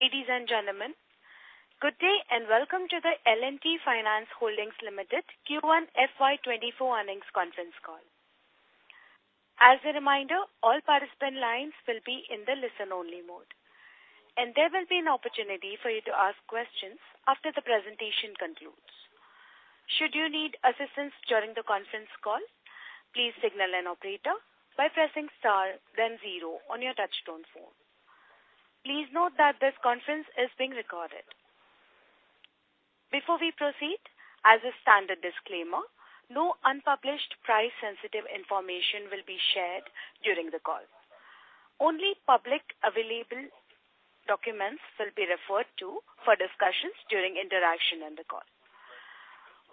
Ladies and gentlemen, good day, welcome to the L&T Finance Holdings Limited Q1 FY 2024 Earnings Conference Call. As a reminder, all participant lines will be in the listen-only mode, and there will be an opportunity for you to ask questions after the presentation concludes. Should you need assistance during the conference call, please signal an operator by pressing star zero on your touch-tone phone. Please note that this conference is being recorded. Before we proceed, as a standard disclaimer, no unpublished price-sensitive information will be shared during the call. Only publicly available documents will be referred to for discussions during interaction in the call.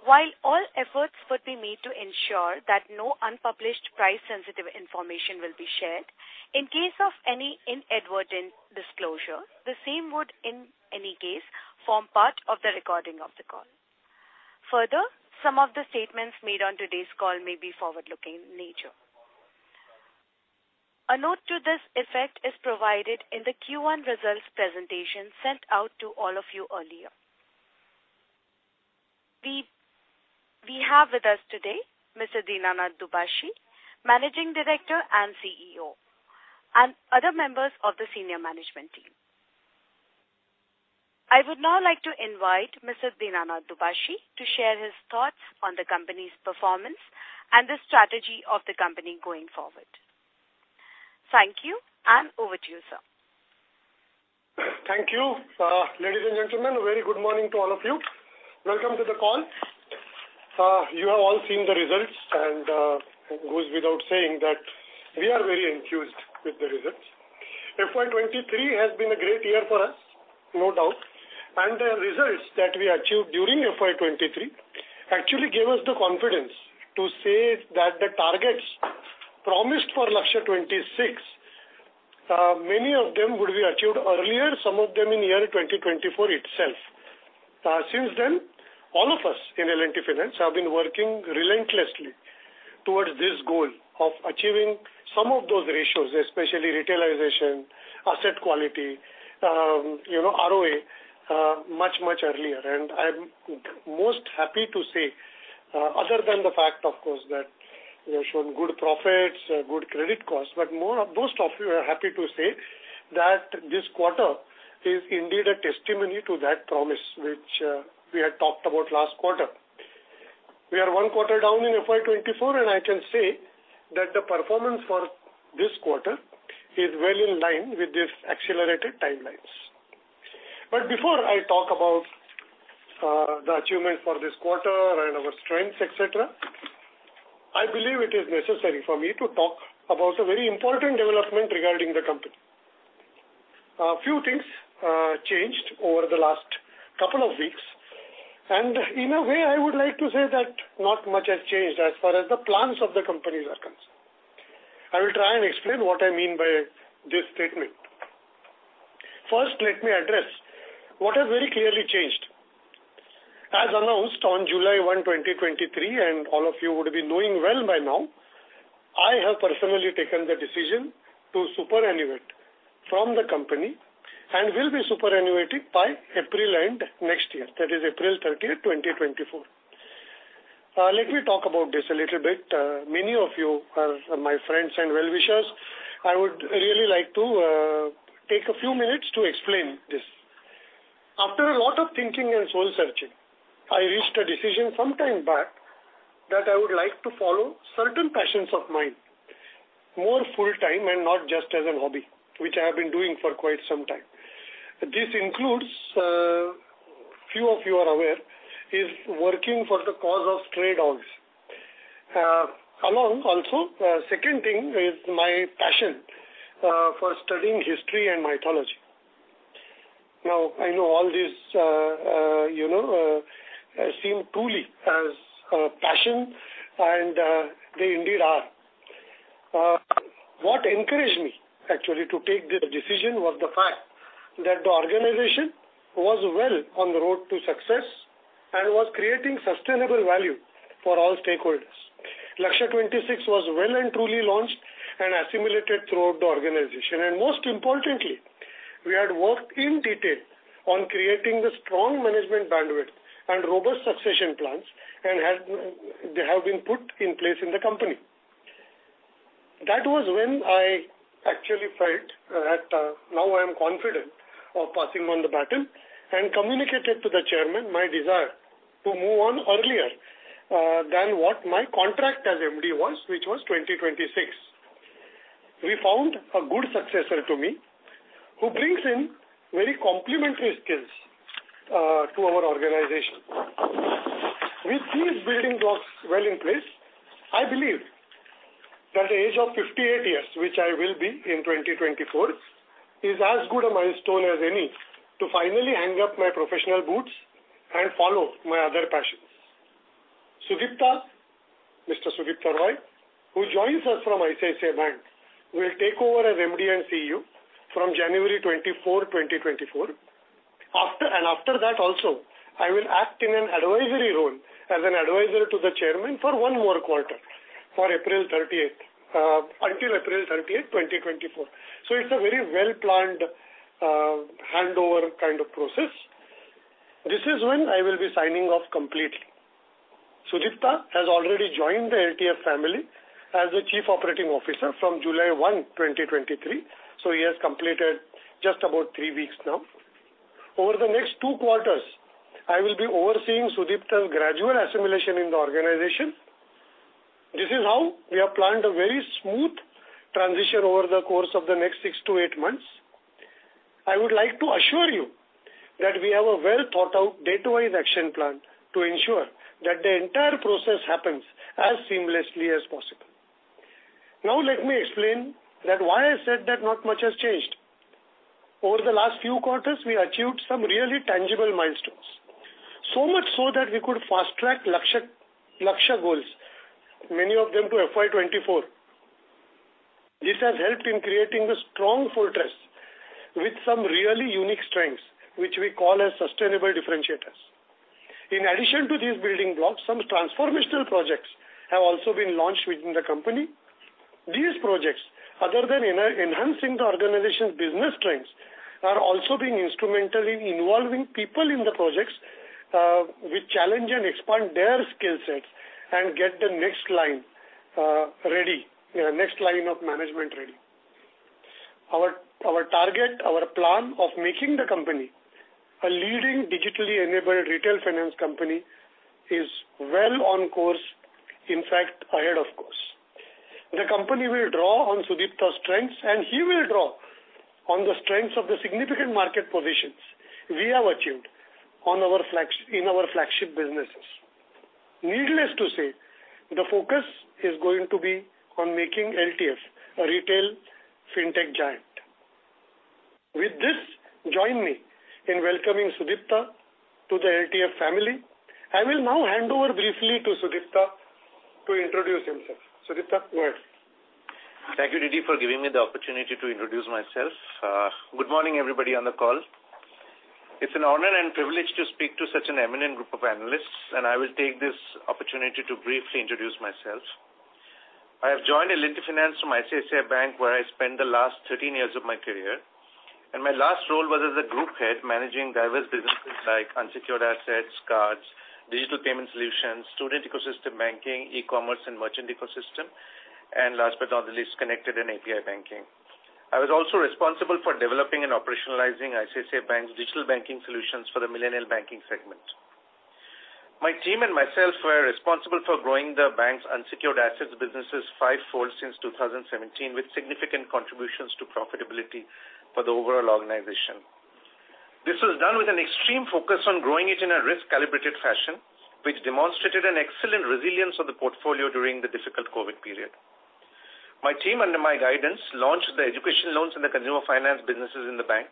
While all efforts would be made to ensure that no unpublished price-sensitive information will be shared, in case of any inadvertent disclosure, the same would, in any case, form part of the recording of the call. Further, some of the statements made on today's call may be forward-looking in nature. A note to this effect is provided in the Q1 results presentation sent out to all of you earlier. We have with us today Mr. Dinanath Dubhashi, Managing Director and CEO, and other members of the senior management team. I would now like to invite Mr. Dinanath Dubhashi to share his thoughts on the company's performance and the strategy of the company going forward. Thank you, and over to you, sir. Thank you. Ladies and gentlemen, a very good morning to all of you. Welcome to the call. You have all seen the results, it goes without saying that we are very enthused with the results. FY 2023 has been a great year for us, no doubt, the results that we achieved during FY 2023 actually gave us the confidence to say that the targets promised for Lakshya 2026, many of them would be achieved earlier, some of them in year 2024 itself. Since then, all of us in L&T Finance have been working relentlessly towards this goal of achieving some of those ratios, especially retailization, asset quality, you know, ROA, much, much earlier. I'm most happy to say, other than the fact, of course, that we have shown good profits, good credit costs, but most of you are happy to say that this quarter is indeed a testimony to that promise, which, we had talked about last quarter. We are one quarter down in FY 2024, and I can say that the performance for this quarter is well in line with these accelerated timelines. Before I talk about the achievements for this quarter and our strengths, et cetera, I believe it is necessary for me to talk about a very important development regarding the company. A few things changed over the last couple of weeks, and in a way, I would like to say that not much has changed as far as the plans of the company are concerned. I will try and explain what I mean by this statement. First, let me address what has very clearly changed. As announced on July 1, 2023, and all of you would be knowing well by now, I have personally taken the decision to superannuate from the company and will be superannuated by April end next year, that is April 30, 2024. Let me talk about this a little bit. Many of you are my friends and well-wishers. I would really like to take a few minutes to explain this. After a lot of thinking and soul-searching, I reached a decision some time back that I would like to follow certain passions of mine, more full-time and not just as a hobby, which I have been doing for quite some time. This includes, few of you are aware, is working for the cause of stray dogs. Along also, second thing is my passion for studying history and mythology. I know all this, you know, seem truly as a passion, and they indeed are. What encouraged me actually to take the decision was the fact that the organization was well on the road to success and was creating sustainable value for all stakeholders. Lakshya 2026 was well and truly launched and assimilated throughout the organization, and most importantly, we had worked in detail on creating the strong management bandwidth and robust succession plans, they have been put in place in the company. That was when I actually felt that now I am confident of passing on the baton and communicated to the chairman my desire to move on earlier than what my contract as MD was, which was 2026. We found a good successor to me, who brings in very complementary skills to our organization. With these building blocks well in place, I believe that the age of 58 years, which I will be in 2024, is as good a milestone as any to finally hang up my professional boots and follow my other passions. Sudipta, Mr. Sudipta Roy, who joins us from ICICI Bank, will take over as MD and CEO from January 24, 2024. After that also, I will act in an advisory role as an advisor to the Chairman for one more quarter, for April 30th, until April 30th, 2024. It's a very well-planned handover kind of process. This is when I will be signing off completely. Sudipta has already joined the LTF family as the Chief Operating Officer from July 1, 2023. He has completed just about three weeks now. Over the next two quarters, I will be overseeing Sudipta's gradual assimilation in the organization. This is how we have planned a very smooth transition over the course of the next six to eight months. I would like to assure you that we have a well-thought-out, data-wise action plan to ensure that the entire process happens as seamlessly as possible. Let me explain that why I said that not much has changed. Over the last few quarters, we achieved some really tangible milestones. So much so that we could fast-track Lakshya goals, many of them to FY 2024. This has helped in creating a strong fortress with some really unique strengths, which we call as sustainable differentiators. In addition to these building blocks, some transformational projects have also been launched within the company. These projects, other than enhancing the organization's business strengths, are also being instrumental in involving people in the projects, which challenge and expand their skill sets and get the next line, next line of management ready. Our target, our plan of making the company a leading digitally-enabled retail finance company is well on course, in fact, ahead of course. The company will draw on Sudipta's strengths, and he will draw on the strengths of the significant market positions we have achieved in our flagship businesses. Needless to say, the focus is going to be on making LTF a retail fintech giant. With this, join me in welcoming Sudipta to the LTF family. I will now hand over briefly to Sudipta to introduce himself. Sudipta, go ahead. Thank you, DD, for giving me the opportunity to introduce myself. Good morning, everybody on the call. It's an honor and privilege to speak to such an eminent group of analysts, and I will take this opportunity to briefly introduce myself. I have joined L&T Finance from ICICI Bank, where I spent the last 13 years of my career, and my last role was as a group head, managing diverse businesses like unsecured assets, cards, digital payment solutions, student ecosystem banking, e-commerce and merchant ecosystem, and last but not the least, connected and API banking. I was also responsible for developing and operationalizing ICICI Bank's digital banking solutions for the millennial banking segment. My team and myself were responsible for growing the bank's unsecured assets businesses five-fold since 2017, with significant contributions to profitability for the overall organization. This was done with an extreme focus on growing it in a risk-calibrated fashion, which demonstrated an excellent resilience of the portfolio during the difficult COVID period. My team, under my guidance, launched the education loans in the consumer finance businesses in the bank,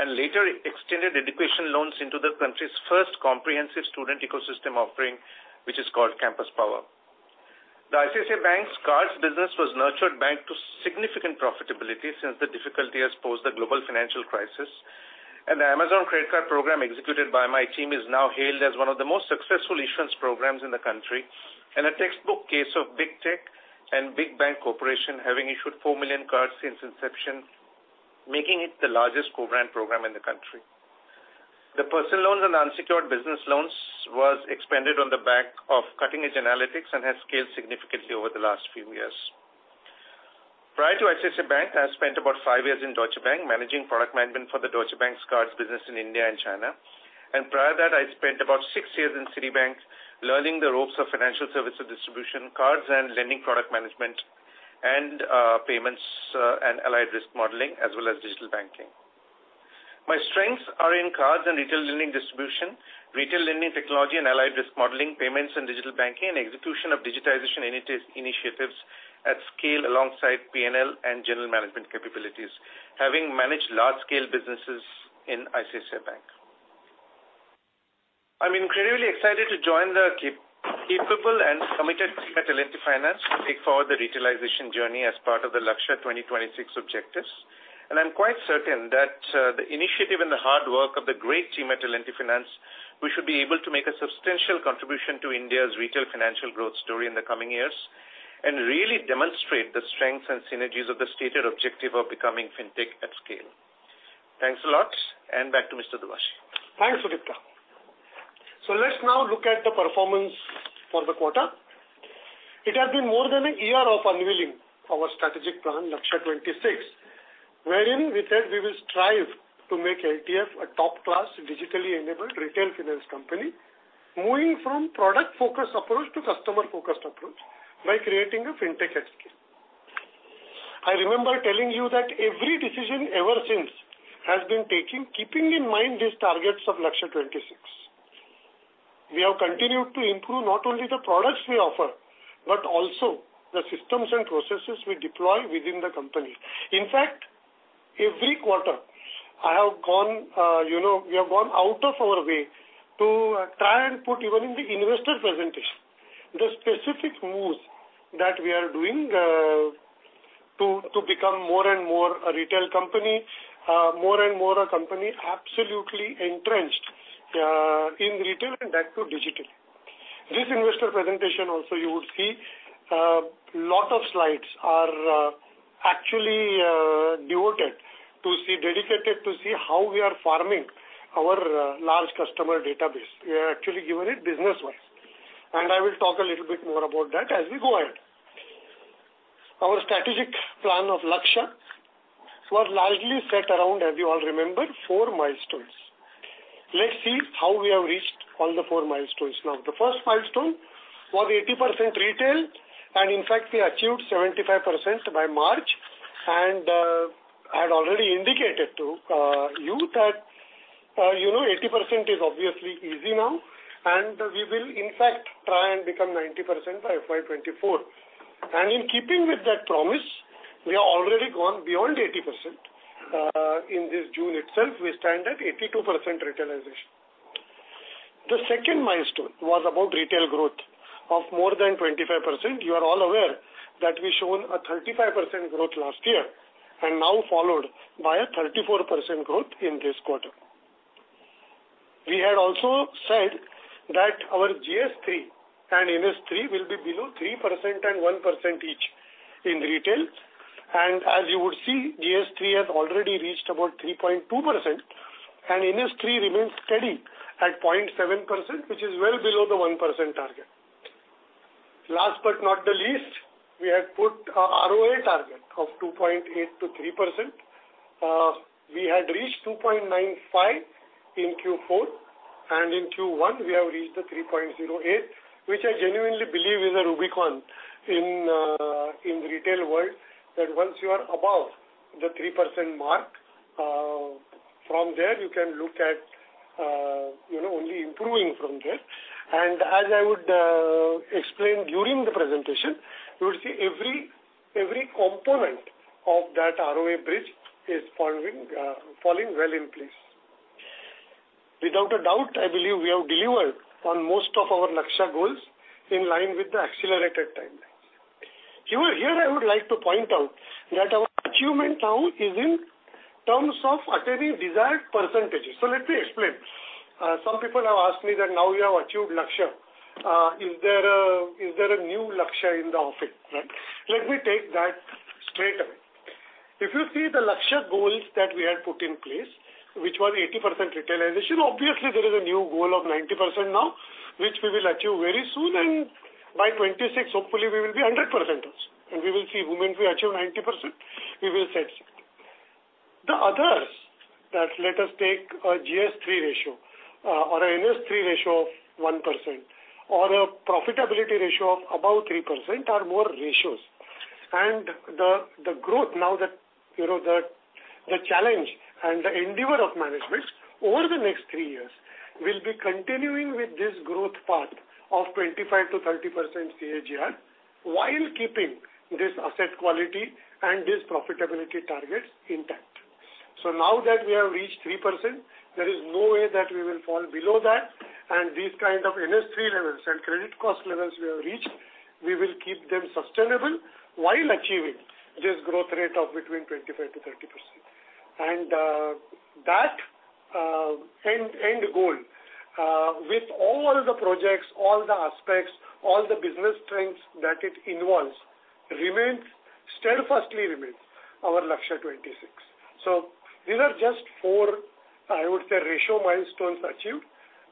later extended education loans into the country's first comprehensive student ecosystem offering, which is called Campus Power. The ICICI Bank's cards business was nurtured back to significant profitability since the difficulty has posed a global financial crisis. The Amazon credit card program, executed by my team, is now hailed as one of the most successful issuance programs in the country and a textbook case of Big Tech and Big Bank cooperation, having issued four million cards since inception, making it the largest co-brand program in the country. The personal loans and unsecured Business Loans was expanded on the back of cutting-edge analytics and has scaled significantly over the last few years. Prior to ICICI Bank, I spent about five years in Deutsche Bank, managing product management for the Deutsche Bank's cards business in India and China. Prior to that, I spent about six years in Citibank, learning the ropes of financial services, distribution, cards and lending product management, payments, and allied risk modeling, as well as digital banking. My strengths are in cards and retail lending distribution, retail lending technology and allied risk modeling, payments and digital banking, and execution of digitization initiatives at scale alongside P&L and general management capabilities, having managed large-scale businesses in ICICI Bank. I'm incredibly excited to join the capable and committed team at L&T Finance to take forward the retailization journey as part of the Lakshya 2026 objectives. I'm quite certain that the initiative and the hard work of the great team at L&T Finance, we should be able to make a substantial contribution to India's retail financial growth story in the coming years, and really demonstrate the strengths and synergies of the stated objective of becoming Fintech@Scale. Thanks a lot, and back to Mr. Dubhashi. Thanks, Sudipta. Let's now look at the performance for the quarter. It has been more than a year of unveiling our strategic plan, Lakshya 2026, wherein we said we will strive to make LTF a top-class, digitally-enabled retail finance company, moving from product-focused approach to customer-focused approach by creating a Fintech@Scale. I remember telling you that every decision ever since has been taking, keeping in mind these targets of Lakshya 2026. We have continued to improve not only the products we offer, but also the systems and processes we deploy within the company. In fact, every quarter I have gone, you know, we have gone out of our way to try and put even in the investor presentation, the specific moves that we are doing to become more and more a retail company, more and more a company absolutely entrenched in retail and back to digital. This investor presentation also you would see lot of slides are actually dedicated to see how we are farming our large customer database. We have actually given it business-wise, and I will talk a little bit more about that as we go ahead. Our strategic plan of Lakshya was largely set around, as you all remember, four milestones. Let's see how we have reached on the four milestones. The first milestone was 80% retail, and in fact, we achieved 75% by March. I had already indicated to you that, you know, 80% is obviously easy now, and we will in fact try and become 90% by FY 2024. In keeping with that promise, we have already gone beyond 80%. In this June itself, we stand at 82% retailization. The second milestone was about retail growth of more than 25%. You are all aware that we've shown a 35% growth last year, and now followed by a 34% growth in this quarter. We had also said that our GS3 and NS3 will be below 3% and 1% each in retail. As you would see, GS3 has already reached about 3.2%, and NS3 remains steady at 0.7%, which is well below the 1% target. Last but not the least, we had put a ROA target of 2.8%-3%. We had reached 2.95% in Q4, in Q1 we have reached the 3.08%, which I genuinely believe is a rubicon in retail world, that once you are above the 3% mark, from there, you can look at, you know, only improving from there. As I would explain during the presentation, you will see every component of that ROA bridge is falling well in place. Without a doubt, I believe we have delivered on most of our Lakshya goals in line with the accelerated timeline. Here I would like to point out that our achievement now is in terms of attaining desired percentages. Let me explain. Some people have asked me that now we have achieved Lakshya, is there a new Lakshya in the office, right? Let me take that straight away. If you see the Lakshya goals that we had put in place, which was 80% retailization, obviously there is a new goal of 90% now, which we will achieve very soon, by 2026, hopefully, we will be 100% also. We will see the moment we achieve 90%, we will set six. The others, that let us take a GS3 ratio, or a NS3 ratio of 1%, or a profitability ratio of above 3% are more ratios. The, the growth now that, you know, the challenge and the endeavor of management over the next three years will be continuing with this growth path of 25%-30% CAGR, while keeping this asset quality and this profitability targets intact. Now that we have reached 3%, there is no way that we will fall below that, and these kind of NS3 levels and credit cost levels we have reached, we will keep them sustainable while achieving this growth rate of between 25%-30%. That end goal, with all the projects, all the aspects, all the business trends that it involves, remains, steadfastly remains our Lakshya 2026. These are just four, I would say, ratio milestones achieved.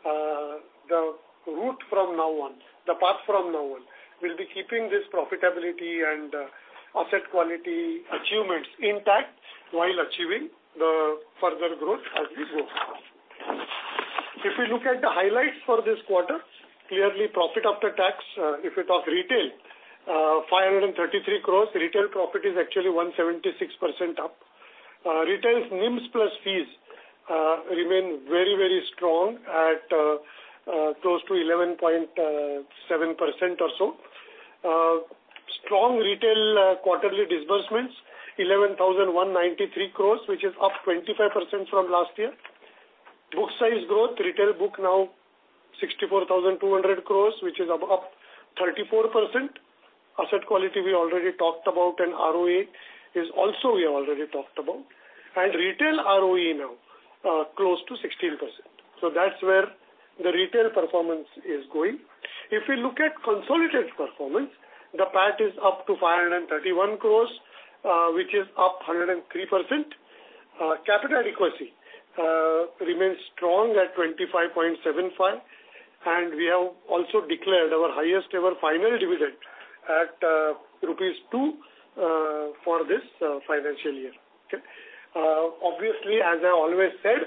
The route from now on, the path from now on, will be keeping this profitability and asset quality achievements intact while achieving the further growth as we go. If we look at the highlights for this quarter, clearly profit after tax, if we talk retail, 533 crores, retail profit is actually 176% up. Retail NIM + Fees remain very, very strong at close to 11.7% or so. Strong retail quarterly disbursements, 11,193 crores, which is up 25% from last year. Book size growth, retail book now 64,200 crores, which is up 34%. Asset quality, we already talked about, and ROA is also we have already talked about. Retail ROE now close to 16%. That's where the retail performance is going. If we look at consolidated performance, the PAT is up to 531 crores, which is up 103%. Capital adequacy remains strong at 25.75%, and we have also declared our highest ever final dividend at rupees 2 for this financial year. Okay? Obviously, as I always said,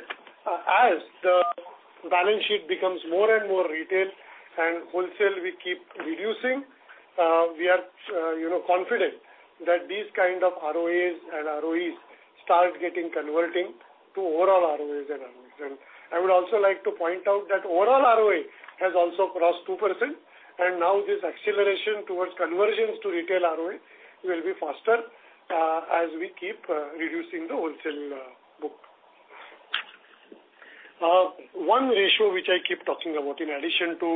as the balance sheet becomes more and more Retail and Wholesale, we keep reducing, we are, you know, confident that these kind of ROAs and ROEs start getting converting to overall ROAs and ROEs. I would also like to point out that overall ROA has also crossed 2%, now this acceleration towards conversions to retail ROA will be faster as we keep reducing the Wholesale book. One ratio which I keep talking about, in addition to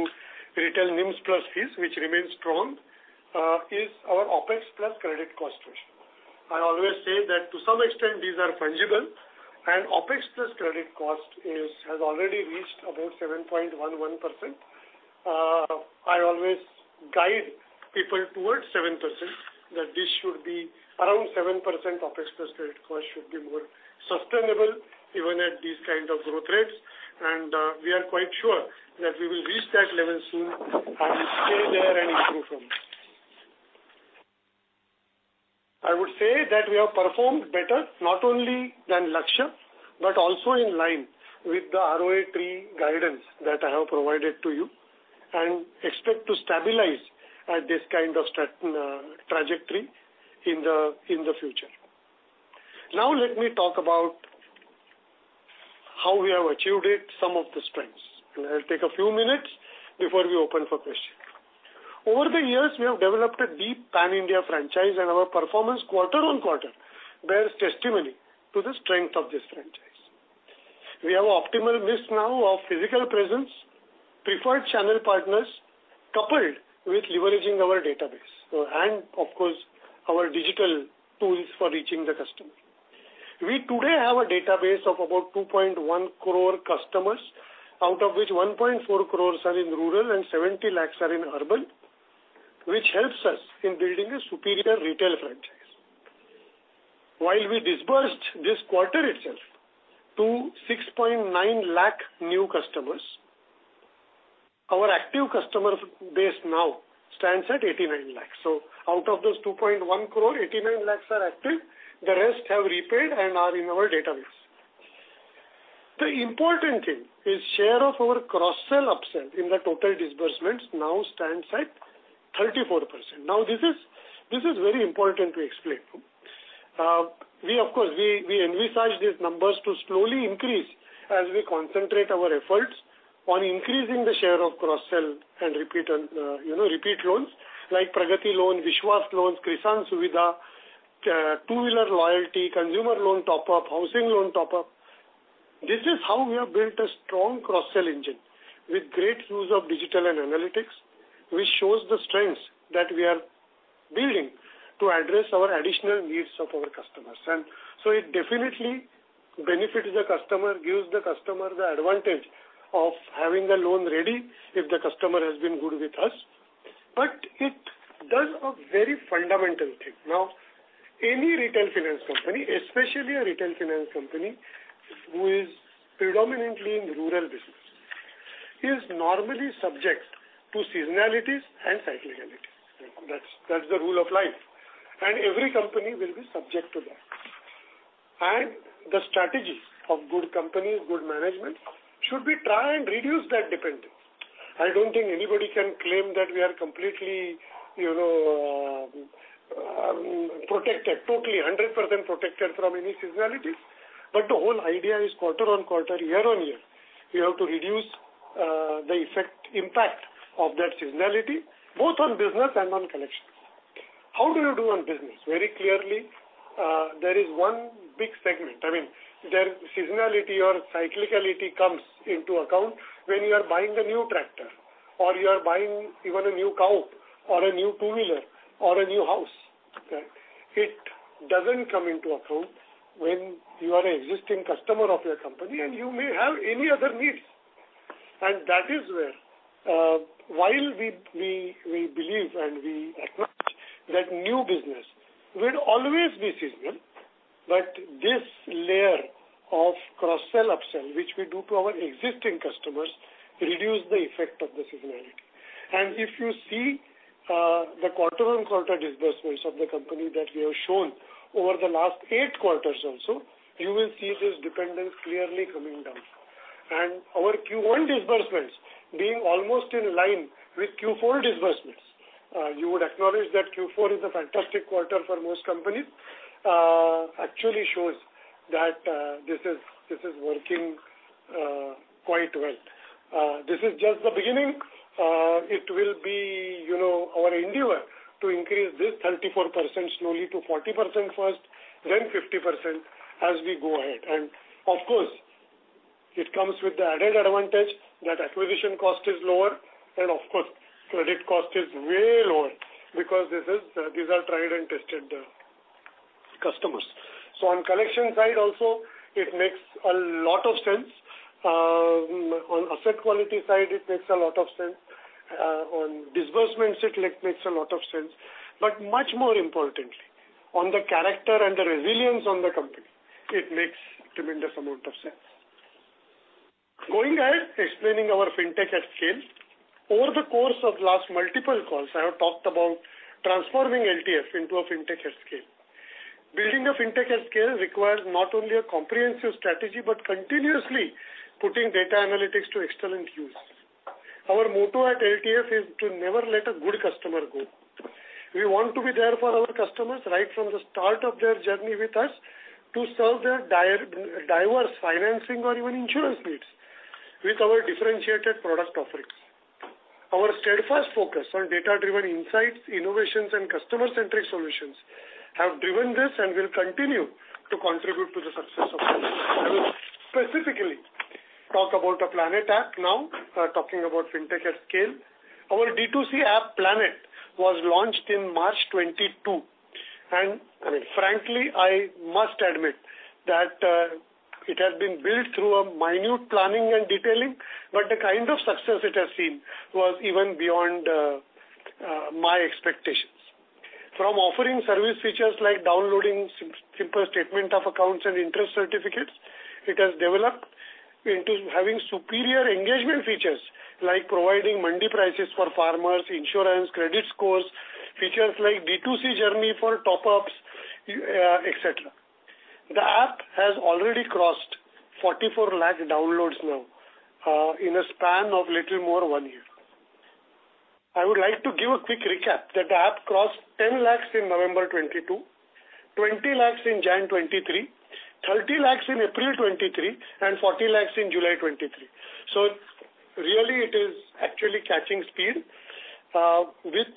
retail NIM + Fees, which remains strong, is our OpEx plus credit cost ratio. I always say that to some extent, these are fungible and OpEx plus credit cost has already reached about 7.11%. I always guide people towards 7%, that this should be around 7% OpEx plus credit cost should be more sustainable even at these kind of growth rates. We are quite sure that we will reach that level soon and stay there and improve from it. I would say that we have performed better not only than Lakshya, but also in line with the ROA tree guidance that I have provided to you, and expect to stabilize at this kind of stat, trajectory in the future. Let me talk about how we have achieved it, some of the strengths. I'll take a few minutes before we open for questioning. Over the years, we have developed a deep pan-India franchise, and our performance quarter-on-quarter bears testimony to the strength of this franchise. We have optimal mix now of physical presence, preferred channel partners, coupled with leveraging our database, and of course, our digital tools for reaching the customer. We today have a database of about 2.1 crore customers, out of which 1.4 crores are in Rural and 70 lakhs are in Urban, which helps us in building a superior Retail franchise. While we disbursed this quarter itself to 6.9 lakh new customers, our active customer base now stands at 89 lakhs. Out of those 2.1 crore, 89 lakhs are active, the rest have repaid and are in our database. The important thing is share of our cross-sell upsell in the total disbursements now stands at 34%. This is very important to explain. We of course, we envisage these numbers to slowly increase as we concentrate our efforts on increasing the share of cross-sell and repeat loans, like Pragati loan, Vishwas loans, Kisan Suvidha, 2-wheeler loyalty, consumer loan top-up, housing loan top-up. This is how we have built a strong cross-sell engine with great use of digital and analytics, which shows the strengths that we are building to address our additional needs of our customers. It definitely benefits the customer, gives the customer the advantage of having the loan ready if the customer has been good with us. It does a very fundamental thing. Any retail finance company, especially a retail finance company who is predominantly in Rural business, is normally subject to seasonalities and cyclicality. That's the rule of life, and every company will be subject to that. The strategies of good companies, good management, should be try and reduce that dependence. I don't think anybody can claim that we are completely, you know, protected, totally, 100% protected from any seasonality, but the whole idea is quarter on quarter, year on year, we have to reduce the impact of that seasonality, both on business and on collection. How do you do on business? Very clearly, there is one big segment. I mean, there seasonality or cyclicality comes into account when you are buying a new tractor or you are buying even a new cow or a new 2-wheeler or a new house, okay. It doesn't come into account when you are an existing customer of your company and you may have any other needs. That is where, while we believe and we acknowledge that new business will always be seasonal, but this layer of cross-sell, upsell, which we do to our existing customers, reduce the effect of the seasonality. If you see, the quarter-on-quarter disbursements of the company that we have shown over the last eight quarters also, you will see this dependence clearly coming down. Our Q1 disbursements being almost in line with Q4 disbursements, you would acknowledge that Q4 is a fantastic quarter for most companies, actually shows that this is working quite well. This is just the beginning. It will be, you know, our endeavor to increase this 34% slowly to 40% first, then 50% as we go ahead. Of course, it comes with the added advantage that acquisition cost is lower, and of course, credit cost is way lower because this is, these are tried and tested customers. On collection side also, it makes a lot of sense. On asset quality side, it makes a lot of sense. On disbursements, it makes a lot of sense, but much more importantly, on the character and the resilience on the company, it makes tremendous amount of sense. Going ahead, explaining our Fintech@Scale. Over the course of last multiple calls, I have talked about transforming LTF into a Fintech@Scale. Building a Fintech@Scale requires not only a comprehensive strategy, but continuously putting data analytics to excellent use. Our motto at LTF is to never let a good customer go. We want to be there for our customers right from the start of their journey with us, to serve their diverse financing or even insurance needs with our differentiated product offerings. Our steadfast focus on data-driven insights, innovations, and customer-centric solutions have driven this and will continue to contribute to the success of the bank. Specifically, talk about the PLANET app now, talking about Fintech@Scale. Our D2C app, PLANET, was launched in March 2022, and, I mean, frankly, I must admit that it has been built through a minute planning and detailing, but the kind of success it has seen was even beyond my expectations. From offering service features like downloading simple statement of accounts and interest certificates, it has developed into having superior engagement features, like providing mandi prices for farmers, insurance, credit scores, features like D2C journey for top ups, et cetera. The app has already crossed 44 lakh downloads now in a span of little more one year. I would like to give a quick recap that the app crossed 10 lakh in November 2022, 20 lakh in January 2023, 30 lakh in April 2023, and 40 lakh in July 2023. Really, it is actually catching speed with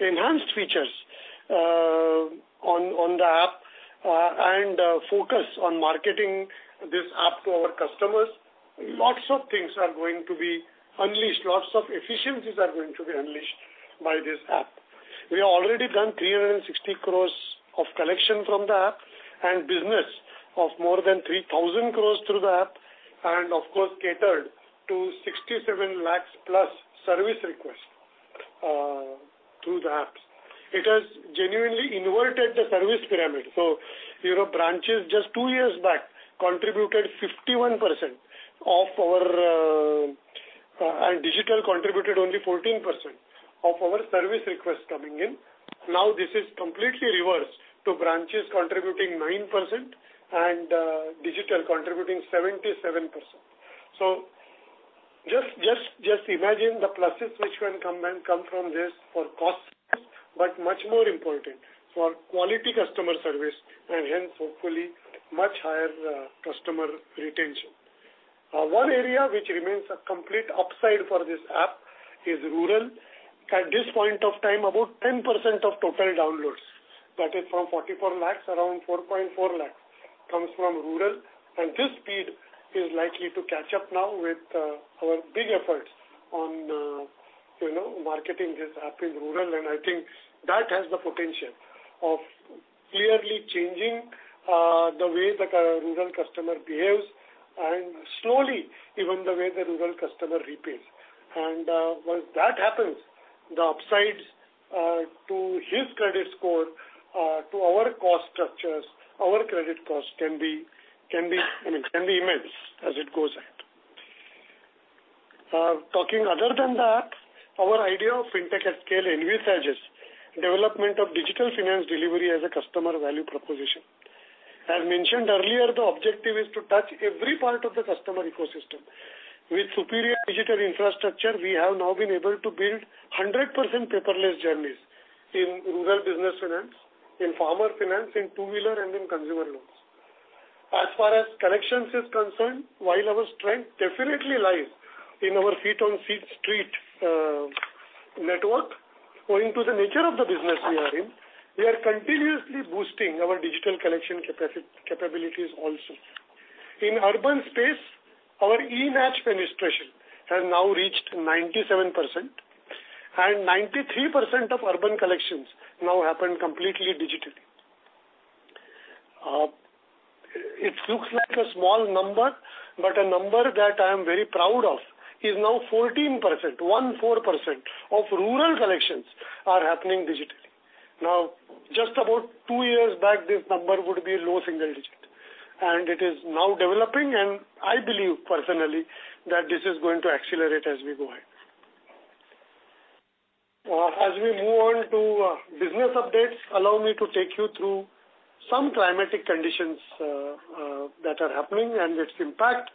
enhanced features on the app and focus on marketing this app to our customers. Lots of things are going to be unleashed. Lots of efficiencies are going to be unleashed by this app. We have already done 360 crore of collection from the app and business of more than 3,000 crore through the app, of course, catered to 67 lakh+ service requests through the apps. It has genuinely inverted the service pyramid. You know, branches just two years back, contributed 51% of our. Digital contributed only 14% of our service requests coming in. This is completely reversed to branches contributing 9% and digital contributing 77%. Just imagine the pluses which can come and come from this for costs, but much more important for quality customer service and hence, hopefully, much higher customer retention. One area which remains a complete upside for this app is Rural. At this point of time, about 10% of total downloads, that is from 44 lakhs, around 4.4 lakhs, comes from Rural, and this speed is likely to catch up now with our big efforts on, you know, marketing this app in Rural. I think that has the potential of clearly changing the way that a Rural customer behaves and slowly, even the way the Rural customer repays. Once that happens, the upsides to his credit score, to our cost structures, our credit costs can be, I mean, can be immense as it goes ahead. Talking other than that, our idea of Fintech@Scale envisages development of digital finance delivery as a customer value proposition. I had mentioned earlier, the objective is to touch every part of the customer ecosystem. With superior digital infrastructure, we have now been able to build 100% paperless journeys in Rural Business Finance, in farmer finance, in 2-wheeler, and in Consumer Loans. As far as collections is concerned, while our strength definitely lies in our feet-on-street network, owing to the nature of the business we are in, we are continuously boosting our digital collection capabilities also. In Urban space, our e-mandate registration has now reached 97%, 93% of Urban collections now happen completely digitally. It looks like a small number, a number that I am very proud of is now 14%, 1 4%, of Rural collections are happening digitally. Just about two years back, this number would be low single digit, it is now developing, and I believe personally, that this is going to accelerate as we go ahead. As we move on to business updates, allow me to take you through some climatic conditions that are happening and its impact.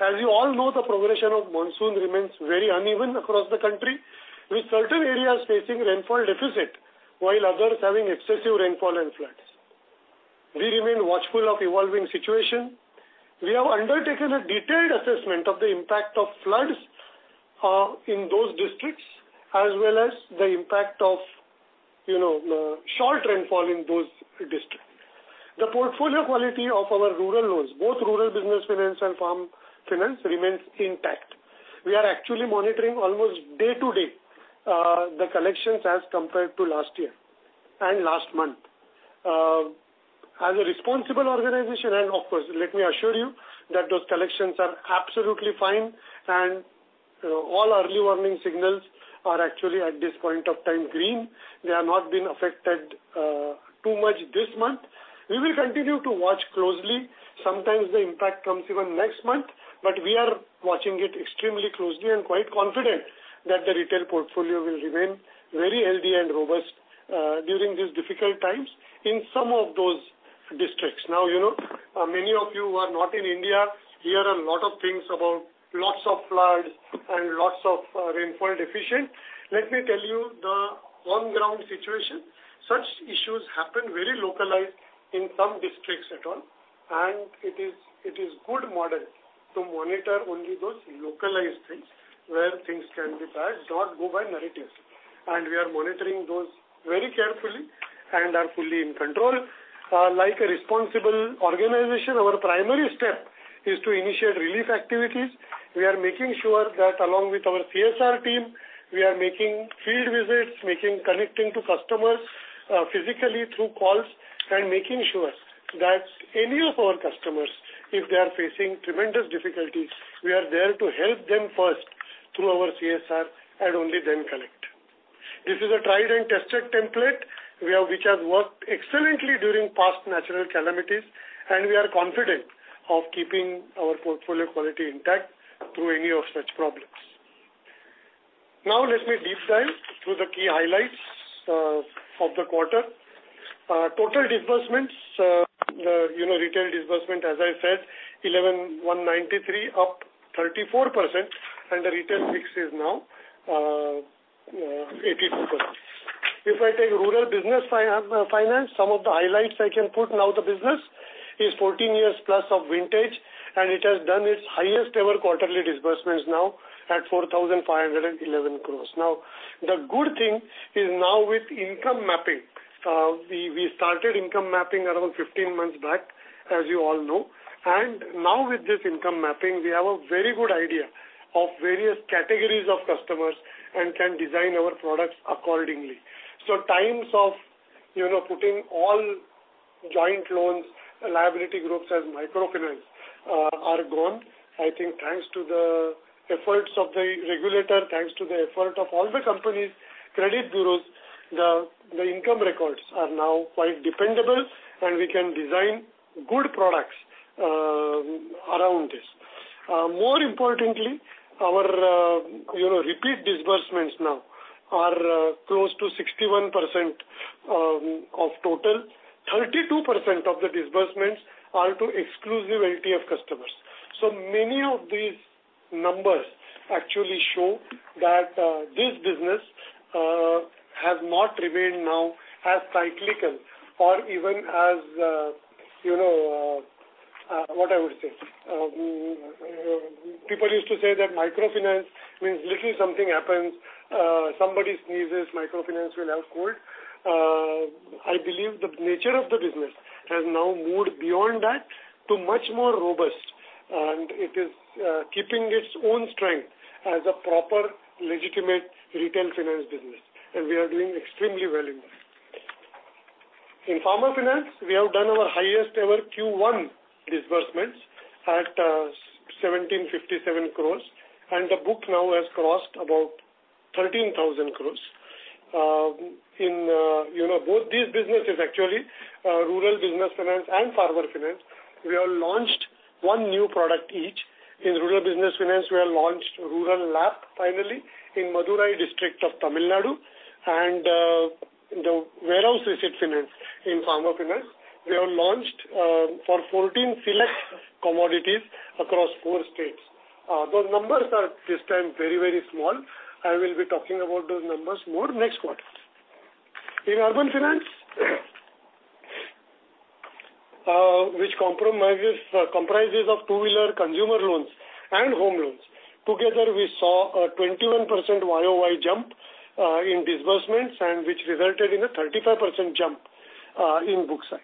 As you all know, the progression of monsoon remains very uneven across the country, with certain areas facing rainfall deficit, while others having excessive rainfall and floods. We remain watchful of evolving situation. We have undertaken a detailed assessment of the impact of floods in those districts, as well as the impact of, you know, short rainfall in those districts. The portfolio quality of our Rural loans, both Rural Business Finance and Farm Finance, remains intact. We are actually monitoring almost day to day the collections as compared to last year and last month. As a responsible organization, of course, let me assure you that those collections are absolutely fine. All early warning signals are actually, at this point of time, green. They have not been affected too much this month. We will continue to watch closely. Sometimes the impact comes even next month. We are watching it extremely closely and quite confident that the retail portfolio will remain very healthy and robust during these difficult times in some of those districts. You know, many of you who are not in India, hear a lot of things about lots of floods and lots of rainfall deficient. Let me tell you the on-ground situation. Such issues happen very localized in some districts at all. It is good model to monitor only those localized things, where things can be bad, not go by narratives. We are monitoring those very carefully and are fully in control. Like a responsible organization, our primary step is to initiate relief activities. We are making sure that along with our CSR team, we are making field visits, making connecting to customers, physically through calls, and making sure that any of our customers, if they are facing tremendous difficulties, we are there to help them first through our CSR and only then collect. This is a tried and tested template, which has worked excellently during past natural calamities, and we are confident of keeping our portfolio quality intact through any of such problems. Now, let me deep dive through the key highlights of the quarter. Total disbursements, you know, retail disbursement, as I said, 11,193, up 34%, and the retail mix is now 82%. If I take Rural Business Finance, some of the highlights I can put now the business is 14 years plus of vintage, and it has done its highest ever quarterly disbursements now at 4,511 crores. Now, the good thing is now with income mapping, we started income mapping around 15 months back, as you all know, and now with this income mapping, we have a very good idea of various categories of customers and can design our products accordingly. Times of, you know, putting all joint loans, liability groups as microfinance are gone. I think thanks to the efforts of the regulator, thanks to the effort of all the companies, credit bureaus, the income records are now quite dependable, and we can design good products around this. More importantly, our, you know, repeat disbursements now are close to 61% of total. 32% of the disbursements are to exclusive LTF customers. Many of these numbers actually show that this business has not remained now as cyclical or even as, you know, what I would say? People used to say that microfinance means literally something happens, somebody sneezes, microfinance will have cold. I believe the nature of the business has now moved beyond that to much more robust, and it is keeping its own strength as a proper, legitimate retail finance business, and we are doing extremely well in that. In farmer finance, we have done our highest ever Q1 disbursements at 1,757 crores, and the book now has crossed about 13,000 crores. In, you know, both these businesses actually, Rural Business Finance and farmer finance, we have launched one new product each. In Rural Business Finance, we have launched Rural Lab, finally, in Madurai district of Tamil Nadu, and the warehouse receipt finance in farmer finance. We have launched for 14 select commodities across four states. Those numbers are this time very, very small. I will be talking about those numbers more next quarter. In Urban finance, which comprises of 2-wheeler Consumer Loans and home loans. Together, we saw a 21% YoY jump in disbursements and which resulted in a 35% jump in book size.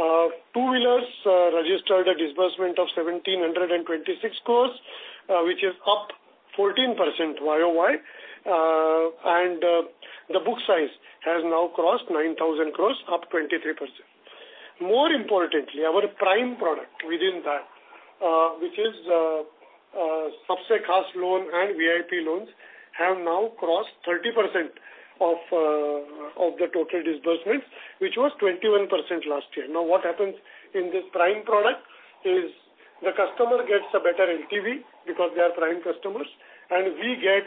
2-wheelers registered a disbursement of 1,726 crores, which is up 14% YoY, and the book size has now crossed 9,000 crores, up 23%. More importantly, our prime product within that, which is Sabse Khaas loan and VIP loans, have now crossed 30% of the total disbursements, which was 21% last year. What happens in this prime product is the customer gets a better LTV because they are prime customers, and we get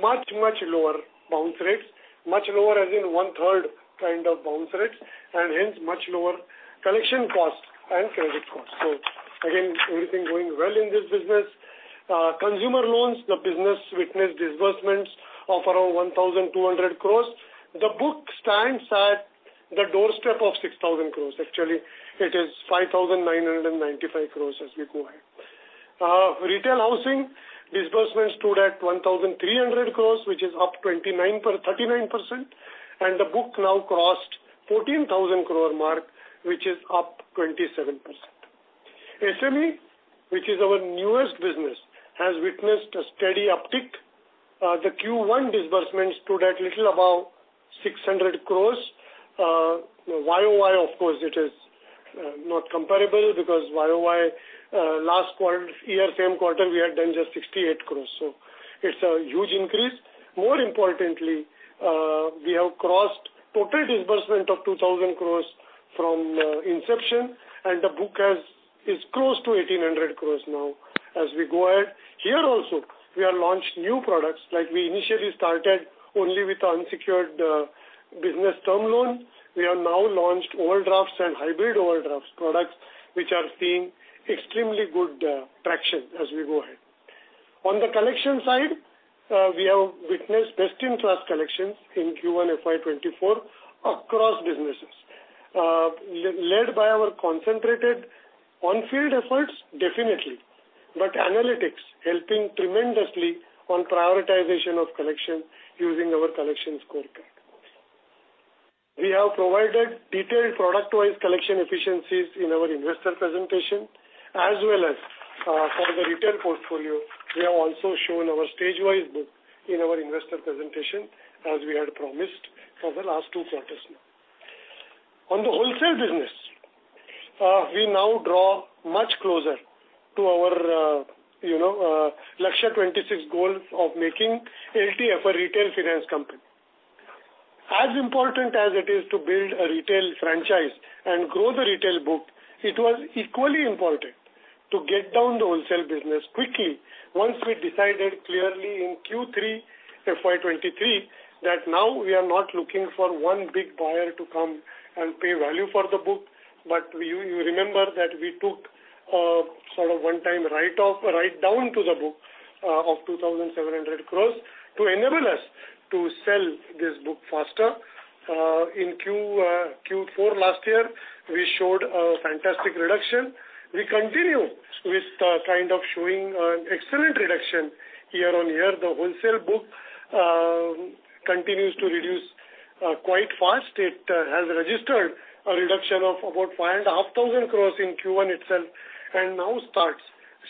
much, much lower bounce rates, much lower as in 1/3 kind of bounce rates, and hence, much lower collection costs and credit costs. Again, everything going well in this business. Consumer loans, the business witnessed disbursements of around 1,200 crores. The book stands at the doorstep of 6,000 crores. Actually, it is 5,995 crores as we go ahead. Retail housing disbursements stood at 1,300 crores, which is up 39%, and the book now crossed 14,000 crore mark, which is up 27%. SME, which is our newest business, has witnessed a steady uptick. The Q1 disbursement stood at little above 600 crores. YoY, of course, it is not comparable because YoY, last quarter, year, same quarter, we had done just 68 crores. It's a huge increase. More importantly, we have crossed total disbursement of 2,000 crores from inception, and the book is close to 1,800 crores now. As we go ahead, here also, we have launched new products like we initially started only with unsecured, business term loans. We have now launched overdrafts and hybrid overdrafts products, which are seeing extremely good traction as we go ahead. On the collection side, we have witnessed best-in-class collections in Q1 FY 2024 across businesses. Led by our concentrated on-field efforts, definitely, but analytics helping tremendously on prioritization of collection using our collection scorecard. We have provided detailed product-wise collection efficiencies in our investor presentation, as well as, for the retail portfolio, we have also shown our stage-wise book in our investor presentation, as we had promised for the last two quarters now. On the Wholesale business, we now draw much closer to our, you know, Lakshya 2026 goal of making LTF a retail finance company. As important as it is to build a Retail franchise and grow the retail book, it was equally important to get down the Wholesale business quickly once we decided clearly in Q3 FY 2023, that now we are not looking for one big buyer to come and pay value for the book. You, you remember that we took sort of one-time write-off, write down to the book of 2,700 crores to enable us to sell this book faster. In Q4 last year, we showed a fantastic reduction. We continue with kind of showing excellent reduction year-on-year. The Wholesale book continues to reduce quite fast. It has registered a reduction of about 5,500 crores in Q1 itself, and now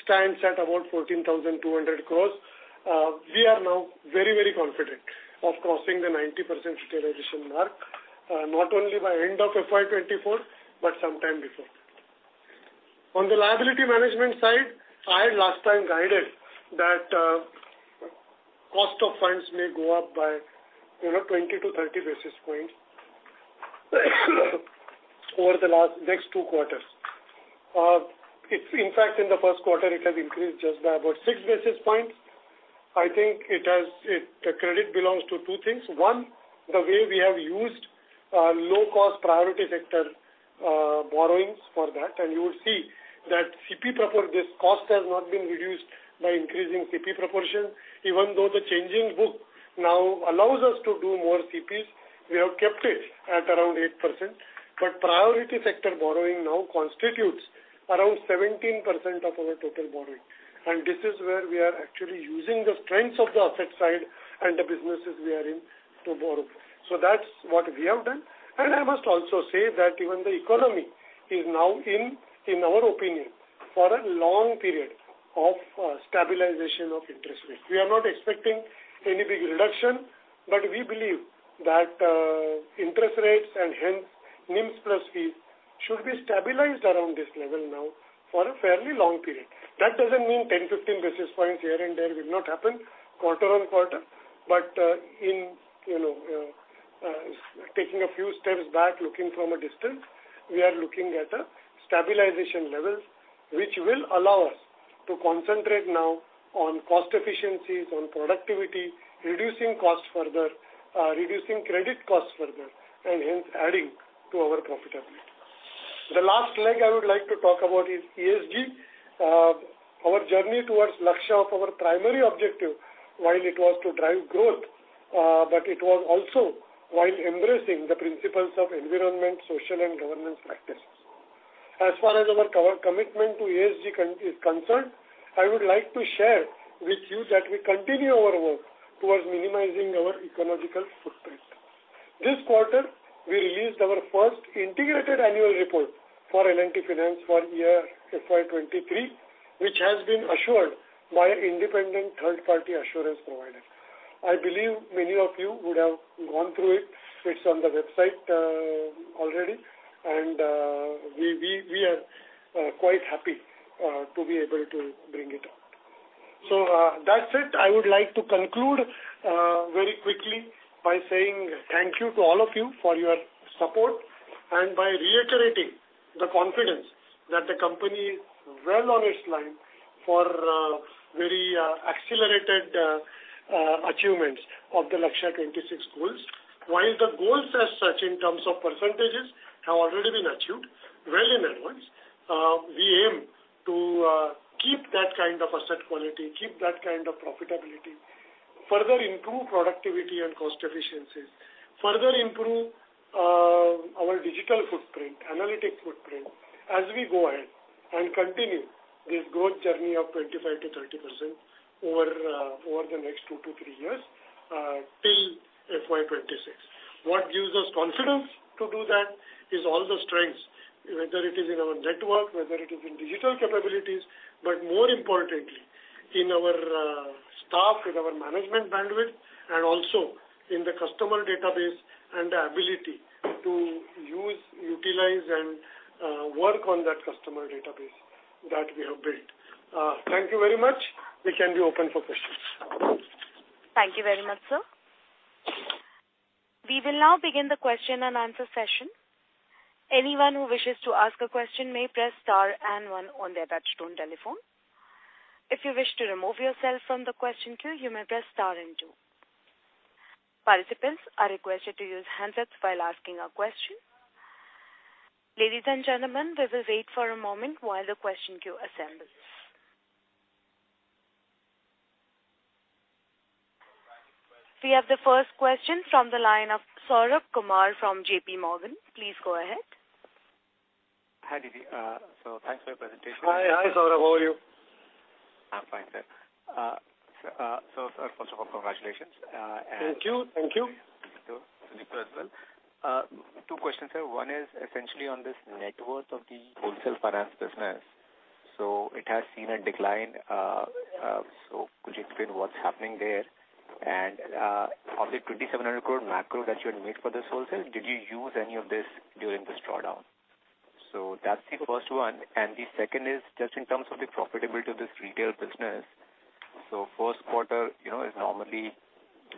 stands at about 14,200 crores. We are now very, very confident of crossing the 90% stabilization mark, not only by end of FY 2024, but sometime before. On the liability management side, I last time guided that, cost of funds may go up by, you know, 20 basis points-30 basis points, over the next two quarters. It's in fact, in the 1st quarter, it has increased just by about 6 basis points. I think it has, the credit belongs to two things. One, the way we have used, low-cost priority sector, borrowings for that, and you will see that CP proportion, this cost has not been reduced by increasing CP proportion. Even though the changing book now allows us to do more CPs, we have kept it at around 8%. But priority sector borrowing now constitutes around 17% of our total borrowing. This is where we are actually using the strengths of the asset side and the businesses we are in to borrow. That's what we have done. I must also say that even the economy is now in our opinion, for a long period of stabilization of interest rates. We are not expecting any big reduction, but we believe that interest rates and hence NIM + Fees should be stabilized around this level now for a fairly long period. That doesn't mean 10 basis points, 15 basis points here and there will not happen quarter-on-quarter, but, in, you know, taking a few steps back, looking from a distance, we are looking at a stabilization level, which will allow us to concentrate now on cost efficiencies, on productivity, reducing costs further, reducing credit costs further, and hence adding to our profitability. The last leg I would like to talk about is ESG. Our journey towards Lakshya of our primary objective, while it was to drive growth, it was also while embracing the principles of environment, social, and governance practices. As far as our commitment to ESG is concerned, I would like to share with you that we continue our work towards minimizing our ecological footprint. This quarter, we released our first integrated annual report for L&T Finance for year FY 2023, which has been assured by an independent third-party assurance provider. I believe many of you would have gone through it. It's on the website already, we are quite happy to be able to bring it out. That's it. I would like to conclude very quickly by saying thank you to all of you for your support, and by reiterating the confidence that the company is well on its line for very accelerated achievements of the Lakshya 2026 goals. While the goals as such in terms of percentages have already been achieved well in advance, we aim to keep that kind of asset quality, keep that kind of profitability, further improve productivity and cost efficiencies, further improve our digital footprint, analytic footprint, as we go ahead and continue this growth journey of 25%-30% over the next two to three years till FY 2026. What gives us confidence to do that is all the strengths, whether it is in our network, whether it is in digital capabilities, but more importantly, in our staff, in our management bandwidth, and also in the customer database and the ability to use, utilize, and work on that customer database that we have built. Thank you very much. We can be open for questions. Thank you very much, sir. We will now begin the question-and-answer session. Anyone who wishes to ask a question may press star and one on their touch-tone telephone. If you wish to remove yourself from the question queue, you may press star and two. Participants are requested to use handsets while asking a question. Ladies and gentlemen, let us wait for a moment while the question queue assembles. We have the first question from the line of Saurabh Kumar from JPMorgan. Please go ahead. Hi, DD. Thanks for your presentation. Hi, hi, Saurabh. How are you? I'm fine, sir. First of all, congratulations. Thank you. Thank you. Thank you as well. Two questions, sir. One is essentially on this net worth of the Wholesale Finance business. It has seen a decline, so could you explain what's happening there? Of the 2,700 crore macro that you had made for this Wholesale, did you use any of this during this drawdown? That's the first one. The second is just in terms of the profitability of this retail business. First quarter, you know, is normally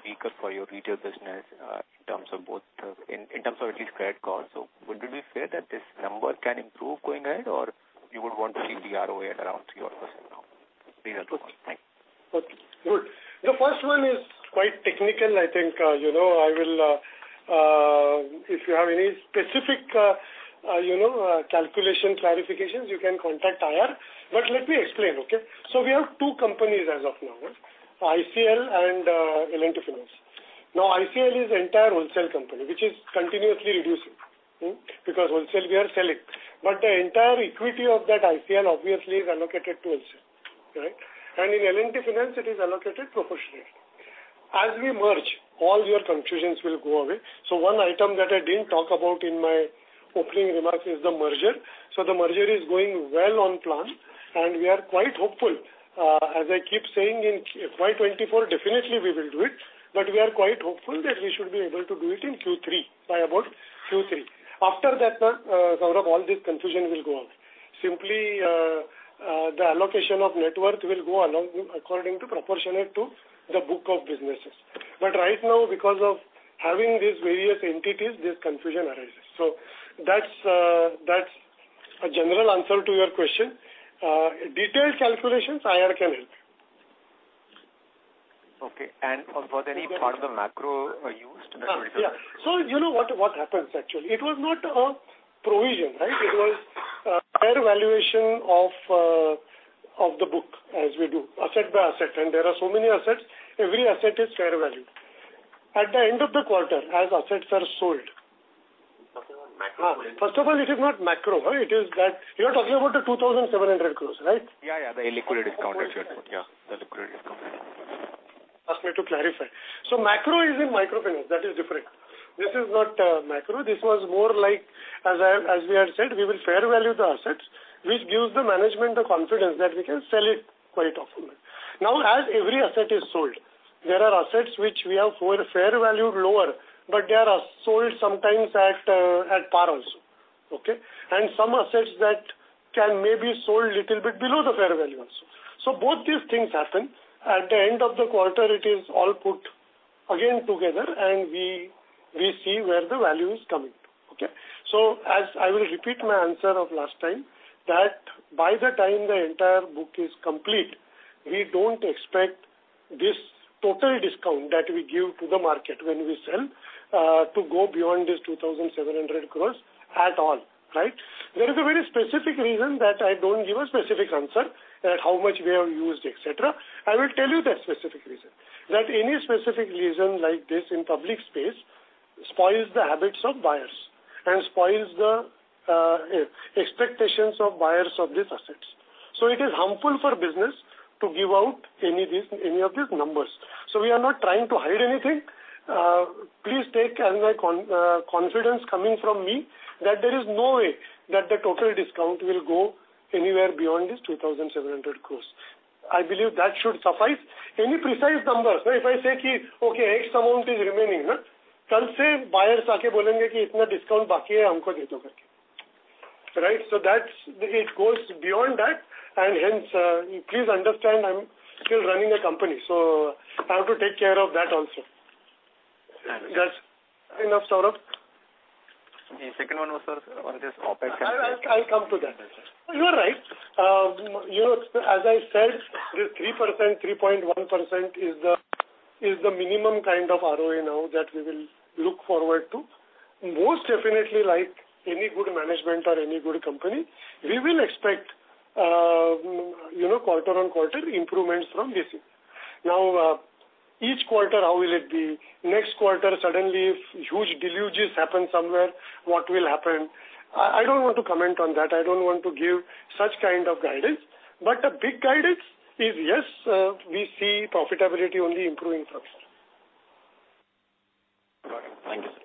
weaker for your retail business, in terms of both, in terms of at least credit cost. Would it be fair that this number can improve going ahead, or you would want to see the ROA at around 3% now? These are the two. Thanks. Okay, good. The first one is quite technical. I think, you know, I will, if you have any specific, you know, calculation clarifications, you can contact IR. Let me explain, okay? We have two companies as of now, ICL and L&T Finance. ICL is entire Wholesale company, which is continuously reducing, because Wholesale we are selling. The entire equity of that ICL obviously is allocated to Wholesale, right? In L&T Finance, it is allocated proportionately. As we merge, all your confusions will go away. One item that I didn't talk about in my opening remarks is the merger. The merger is going well on plan, and we are quite hopeful. As I keep saying, in FY 2024, definitely we will do it. We are quite hopeful that we should be able to do it in Q3, by about Q3. After that, sort of all this confusion will go out. Simply, the allocation of net worth will go along according to proportionate to the book of businesses. Right now, because of having these various entities, this confusion arises. That's a general answer to your question. Detailed calculations, IR can help. Okay. Was any part of the macro used? Yeah. You know what happens, actually? It was not a provision, right? It was fair valuation of the book, as we do, asset by asset. There are so many assets. Every asset is fair valued. At the end of the quarter, as assets are sold- Macro. First of all, it is not macro. It is that you are talking about the 2,700 crores, right? Yeah, the illiquid discount, yeah. The illiquid discount. Ask me to clarify. Macro is in microfinance, that is different. This is not macro. This was more like, as I, as we had said, we will fair value the assets, which gives the management the confidence that we can sell it quite often. Now, as every asset is sold, there are assets which we have more fair value lower, but they are sold sometimes at par also, okay? And some assets that can may be sold little bit below the fair value also. Both these things happen. At the end of the quarter, it is all put again together, and we see where the value is coming, okay? As I will repeat my answer of last time, that by the time the entire book is complete, we don't expect this total discount that we give to the market when we sell, to go beyond this 2,700 crore at all, right? There is a very specific reason that I don't give a specific answer at how much we have used, et cetera. I will tell you that specific reason, that any specific reason like this in public space spoils the habits of buyers and spoils the expectations of buyers of these assets. It is harmful for business to give out any of these numbers. We are not trying to hide anything. Please take my confidence coming from me, that there is no way that the total discount will go anywhere beyond this 2,700 crores. I believe that should suffice. Any precise numbers, so if I say, okay, X amount is remaining, right? That's, it goes beyond that, hence, please understand, I'm still running a company, so I have to take care of that also. Understood. That's enough, Saurabh? The second one was, sir, on this OpEx. I'll come to that. You are right. you know, as I said, this 3%, 3.1% is the minimum kind of ROE now that we will look forward to. Most definitely, like any good management or any good company, we will expect, you know, quarter-on-quarter improvements from this year. Each quarter, how will it be? Next quarter, suddenly, if huge deluges happen somewhere, what will happen? I don't want to comment on that. I don't want to give such kind of guidance. A big guidance is, yes, we see profitability only improving from here. Thank you, sir.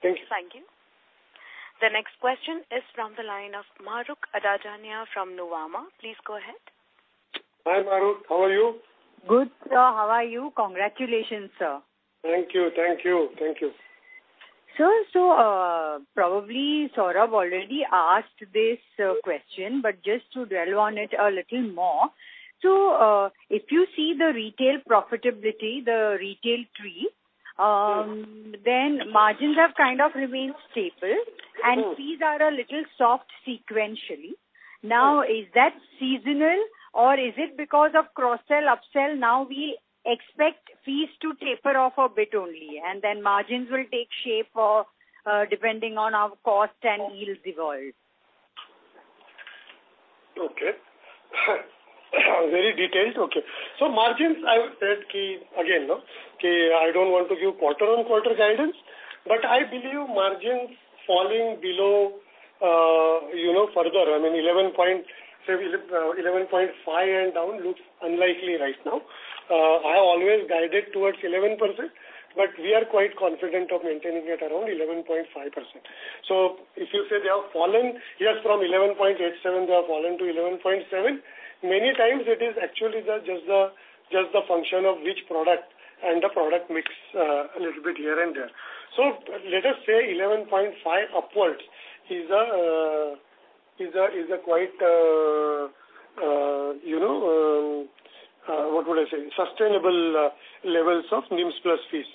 Thank you. Thank you. The next question is from the line of Mahrukh Adajania from Nuvama. Please go ahead. Hi, Mahrukh. How are you? Good, sir. How are you? Congratulations, sir. Thank you. Thank you. Thank you. Sir, probably, Saurabh already asked this question, but just to dwell on it a little more. If you see the retail profitability, the retail tree, then margins have kind of remained stable, and fees are a little soft sequentially. Is that seasonal or is it because of cross-sell, up-sell? We expect fees to taper off a bit only, and then margins will take shape of, depending on our cost and yield evolve. Okay. Very detailed. Okay. Margins, I've said, again, no, I don't want to give quarter-on-quarter guidance, but I believe margins falling below, you know, further, I mean, 11.5% and down looks unlikely right now. I always guided towards 11%, but we are quite confident of maintaining it around 11.5%. If you say they have fallen, yes, from 11.87%, they have fallen to 11.7%. Many times it is actually the just the function of which product and the product mix, a little bit here and there. Let us say 11.5% upwards is a quite, you know, what would I say? Sustainable levels of NIM + Fees.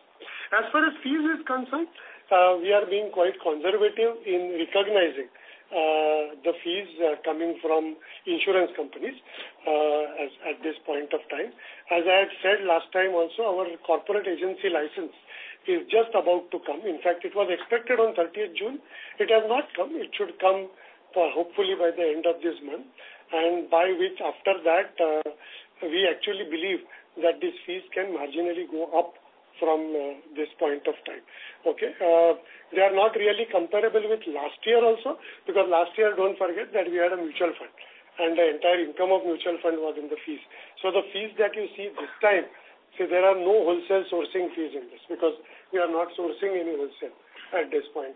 As far as fees is concerned, we are being quite conservative in recognizing the fees coming from insurance companies at this point of time. I had said last time also, our Corporate Agency License is just about to come. In fact, it was expected on 30th June. It has not come. It should come, hopefully by the end of this month. By which, after that, we actually believe that this fees can marginally go up from this point of time. Okay? They are not really comparable with last year also, because last year, don't forget that we had a mutual fund, and the entire income of mutual fund was in the fees. The fees that you see this time, there are no Wholesale sourcing fees in this, because we are not sourcing any Wholesale at this point,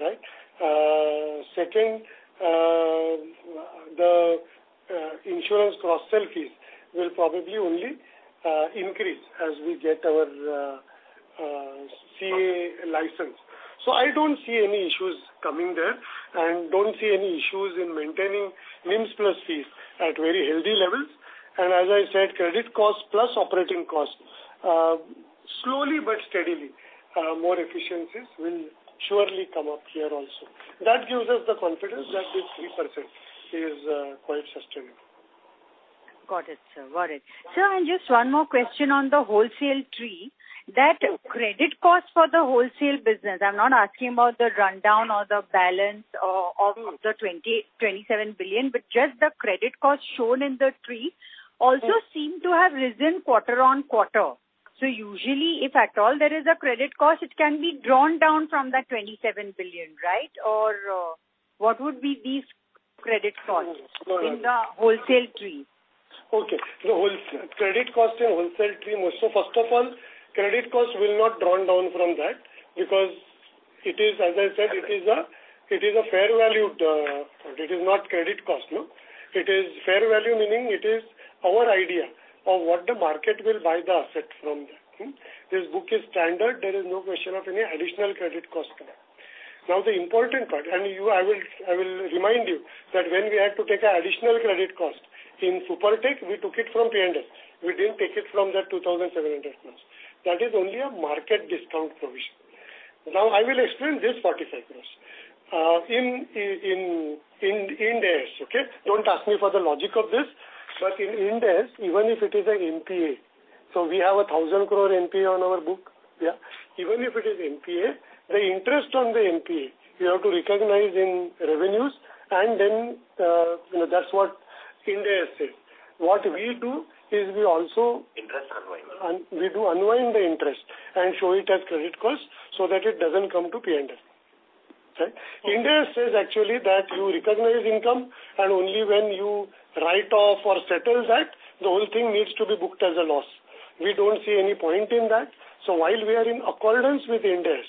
right? Second, the insurance cross-sell fees will probably only increase as we get our CA license. I don't see any issues coming there, and don't see any issues in maintaining NIM + Fees at very healthy levels. As I said, credit costs plus operating costs, slowly but steadily, more efficiencies will surely come up here also. That gives us the confidence that this 3% is quite sustainable. Got it, sir. Got it. Sir, just one more question on the Wholesale tree, that credit cost for the Wholesale business, I'm not asking about the rundown or the balance of the 27 billion, but just the credit cost shown in the tree also seem to have risen quarter-on-quarter. Usually, if at all, there is a credit cost, it can be drawn down from the 27 billion, right? What would be these credit costs in the Wholesale tree? Okay. The whole credit cost in Wholesale tree, most so first of all, credit costs will not drawn down from that because it is, as I said, it is a, it is a fair value, it is not credit cost, no. It is fair value, meaning it is our idea of what the market will buy the asset from there. Hmm? This book is standard. There is no question of any additional credit cost there. The important part, and you, I will remind you that when we had to take an additional credit cost in Supertech, we took it from P&L. We didn't take it from the 2,700 crores. That is only a market discount provision. I will explain this 45 crores in Ind AS, okay? Don't ask me for the logic of this, but in Ind AS, even if it is an NPA, so we have an 1,000 crore NPA on our book, yeah. Even if it is NPA, the interest on the NPA, you have to recognize in revenues, and then, you know, that's what Ind AS says. What we do is. Interest unwind. We do unwind the interest and show it as credit costs so that it doesn't come to P&L. Okay? Ind AS says actually that you recognize income, and only when you write off or settle that, the whole thing needs to be booked as a loss. We don't see any point in that. While we are in accordance with Ind AS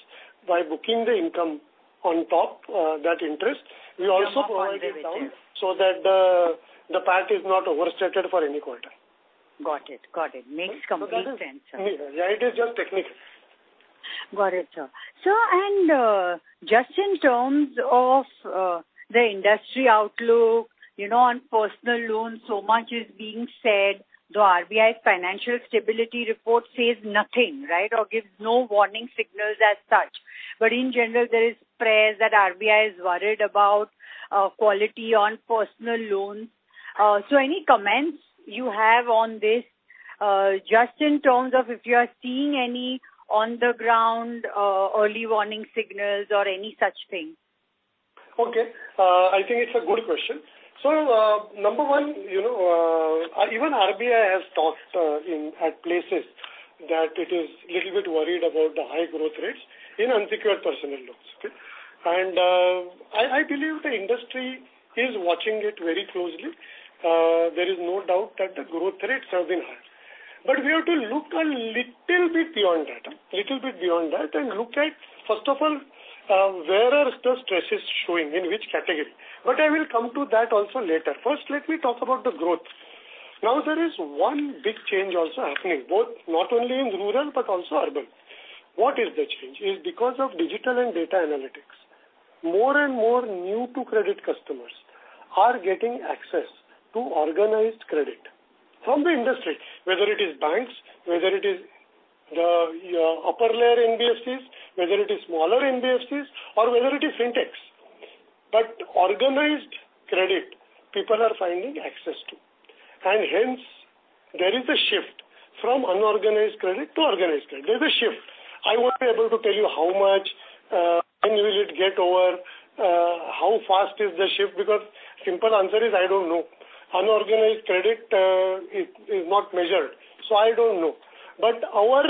by booking the income on top, that interest, we also provide it down so that the PAT is not overstated for any quarter. Got it. Got it. Makes complete sense, sir. Yeah, it is just technique. Got it, sir. Sir, just in terms of the industry outlook, you know, on personal loans, so much is being said, the RBI's financial stability report says nothing, right? Gives no warning signals as such. In general, there is praise that RBI is worried about quality on personal loans. Any comments you have on this, just in terms of if you are seeing any on the ground, early warning signals or any such thing? Okay. I think it's a good question. Number one, you know, even RBI has talked in at places that it is little bit worried about the high growth rates in unsecured personal loans, okay? I believe the industry is watching it very closely. There is no doubt that the growth rates have been high. We have to look a little bit beyond that, a little bit beyond that and look at, first of all, where are the stresses showing, in which category? I will come to that also later. First, let me talk about the growth. There is one big change also happening, both not only in Rural, but also Urban. What is the change? Is because of digital and data analytics, more and more new-to-credit customers are getting access to organized credit from the industry, whether it is banks, whether it is the upper layer NBFCs, whether it is smaller NBFCs or whether it is Fintech. Organized credit, people are finding access to, and hence there is a shift from unorganized credit to organized credit. There's a shift. I won't be able to tell you how much, when will it get over, how fast is the shift? Simple answer is, I don't know. Unorganized credit is not measured, so I don't know. Our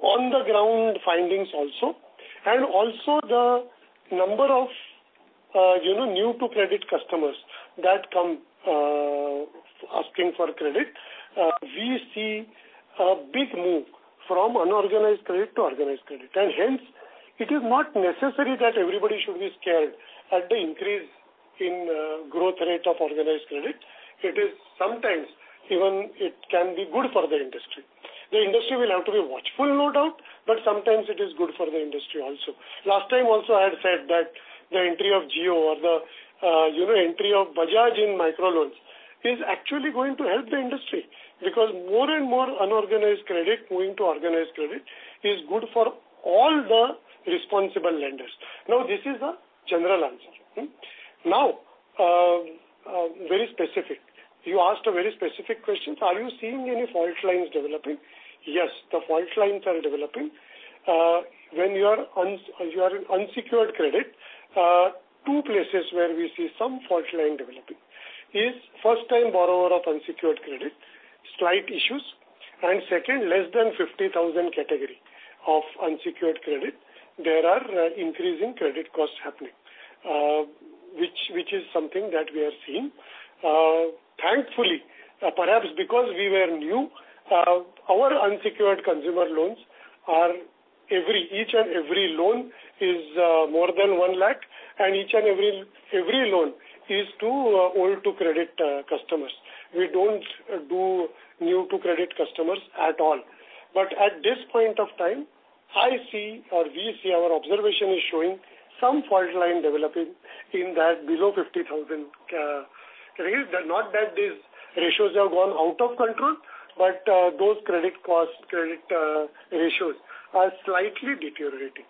on the ground findings also, and also the number of, you know, new to credit customers that come asking for credit, we see a big move from unorganized credit to organized credit. Hence, it is not necessary that everybody should be scared at the increase in growth rate of organized credit. It is sometimes even it can be good for the industry. The industry will have to be watchful, no doubt, but sometimes it is good for the industry also. Last time also, I had said that the entry of Jio or the, you know, entry of Bajaj in micro loans is actually going to help the industry, because more and more unorganized credit going to organized credit is good for all the responsible lenders. This is a general answer. Very specific. You asked a very specific question: are you seeing any fault lines developing? Yes, the fault lines are developing. When you are in unsecured credit, two places where we see some fault line developing is first time borrower of unsecured credit, slight issues, and second, less than 50,000 category of unsecured credit, there are increasing credit costs happening, which is something that we are seeing. Thankfully, perhaps because we were new, our unsecured Consumer Loans are every, each and every loan is more than 1 lakh, and each and every loan is to old to credit customers. We don't do new to credit customers at all. At this point of time, I see or we see, our observation is showing some fault line developing in that below 50,000 credit. Not that these ratios have gone out of control, but those credit cost, credit ratios are slightly deteriorating.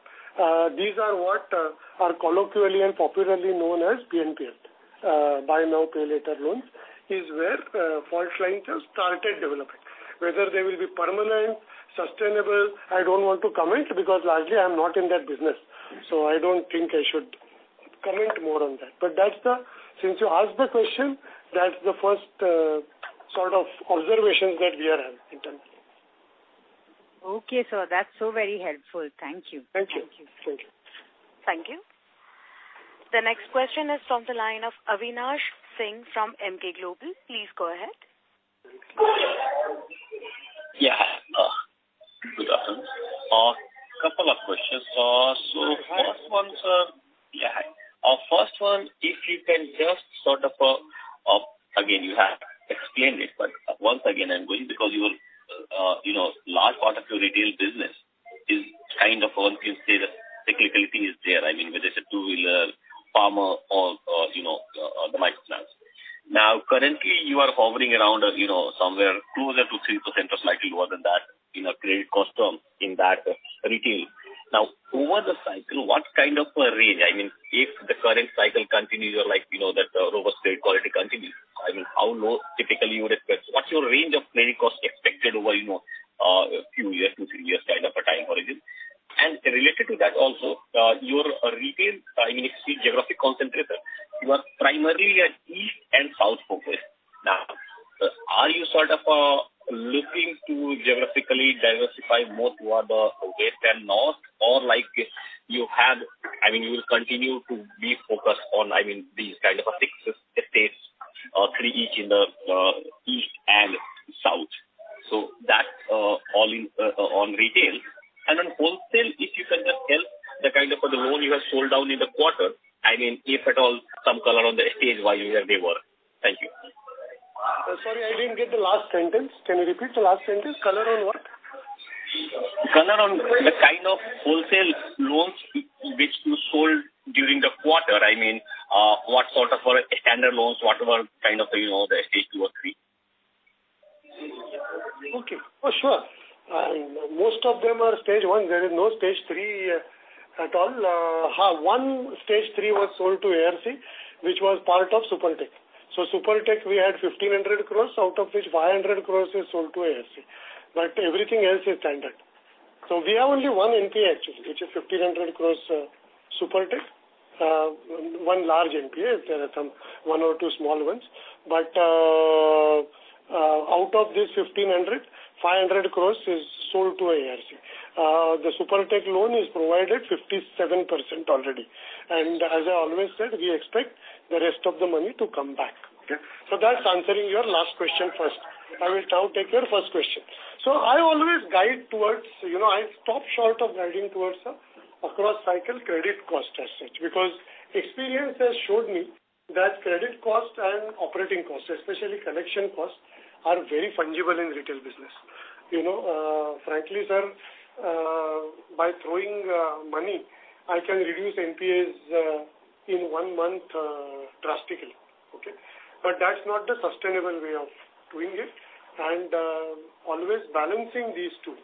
These are what are colloquially and popularly known as BNPL. Buy now, pay later loans is where fault lines have started developing. Whether they will be permanent, sustainable, I don't want to comment, because largely I'm not in that business, so I don't think I should comment more on that. Since you asked the question, that's the first sort of observations that we are having in terms. Okay, sir, that's so very helpful. Thank you. Thank you. Thank you. Thank you. Thank you. The next question is from the line of Avinash Singh from Emkay Global. Please go ahead. Yeah. Good afternoon. A couple of questions. First one, sir. Yeah. First one, if you can just sort of, again, you have explained it, but once again, I'm going, because you will, you know, large part of your retail business is kind of one can say that technicality is there. I mean, whether it's a 2-wheeler, farmer or, you know, the micro loans. Currently, you are hovering around, you know, somewhere closer to 3% or slightly lower than that in a credit cost term in that retail. Now, over the cycle, what kind of a range? I mean, if the current cycle continues or like, you know, that the robust credit quality continues, I mean, how low typically you would expect? What's your range of credit cost expected over, you know, a few years to three years kind of a time horizon? Related to that also, your retail, I mean, if you geographic concentrator, you are primarily at east and south focused. Are you sort of looking to geographically diversify more toward the west and north? Like you have, I mean, you will continue to be focused on, I mean, these kind of a six states, three each in the east and south. That, all in, on retail. Then Wholesale, if you can just help, the kind of the loan you have sold down in the quarter. I mean, if at all, some color on the stage why they were. Thank you. Sorry, I didn't get the last sentence. Can you repeat the last sentence? Color on what? Color on the kind of Wholesale loans which you sold during the quarter. I mean, what sort of standard loans, whatever kind of, you know, the Stage 2 or 3. Okay. Sure. Most of them are Stage 1. There is no Stage 3 at all. One Stage 3 was sold to ARC, which was part of Supertech. Supertech, we had 1,500 crore, out of which 500 crore is sold to ARC, but everything else is standard. We have only one NPA, actually, which is 1,500 crore, Supertech, one large NPA, there are some one or two small ones. Out of this 1,500, 500 crore is sold to ARC. The Supertech loan is provided 57% already. And as I always said, we expect the rest of the money to come back. Okay? That's answering your last question first. I will now take your first question. I always guide towards, you know, I stop short of guiding towards a across cycle credit cost as such, because experience has showed me that credit cost and operating costs, especially collection costs, are very fungible in retail business. You know, frankly, sir, by throwing money, I can reduce NPAs in one month drastically. That's not the sustainable way of doing it. Always balancing these two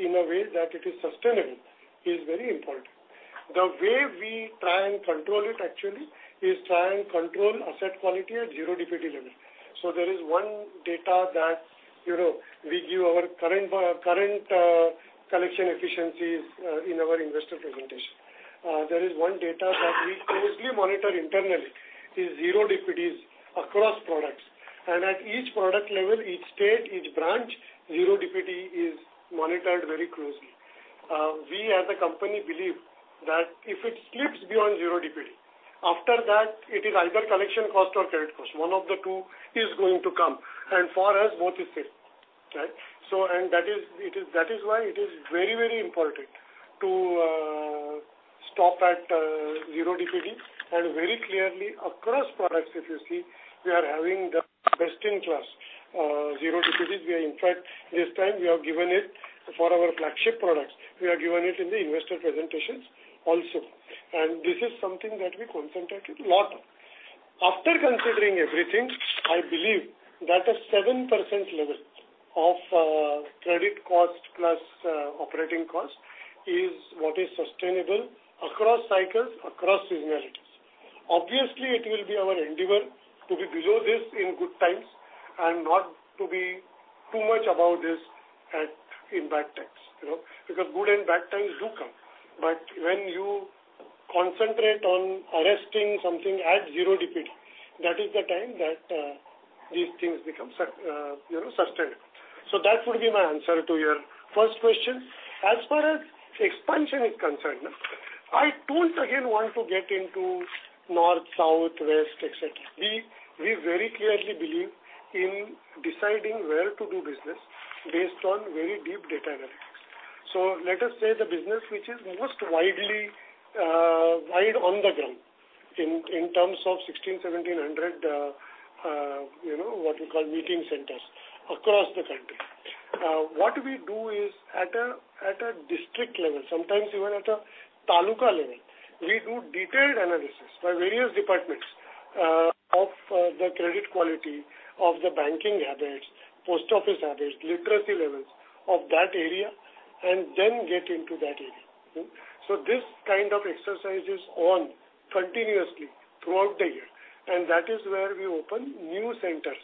in a way that it is sustainable is very important. The way we try and control it actually, is try and control asset quality at zero DPD level. There is one data that, you know, we give our current collection efficiencies in our investor presentation. There is one data that we closely monitor internally, is zero DPDs across products. At each product level, each state, each branch, zero DPD is monitored very closely. We as a company believe that if it slips beyond zero DPD, after that, it is either collection cost or credit cost. One of the two is going to come, and for us, both is same, right? That is why it is very, very important to stop at zero DPD. Very clearly across products, if you see, we are having the best in class zero DPD. We are in fact, this time we have given it for our flagship products. We have given it in the investor presentations also. This is something that we concentrate it a lot. After considering everything, I believe that a 7% level of credit cost plus operating cost is what is sustainable across cycles, across regionalities. Obviously, it will be our endeavor to be below this in good times and not to be too much about this at, in bad times, you know, because good and bad times do come. When you concentrate on arresting something at zero DPD, that is the time that these things become, you know, sustainable. That would be my answer to your first question. As far as expansion is concerned, I don't again want to get into north, south, west, et cetera. We very clearly believe in deciding where to do business based on very deep data analytics. Let us say the business, which is most widely wide on the ground in terms of 1,600-1,700 what you call meeting centers across the country. What we do is at a district level, sometimes even at a taluka level, we do detailed analysis by various departments of the credit quality, of the banking habits, post office habits, literacy levels of that area, and then get into that area. This kind of exercise is on continuously throughout the year, and that is where we open new centers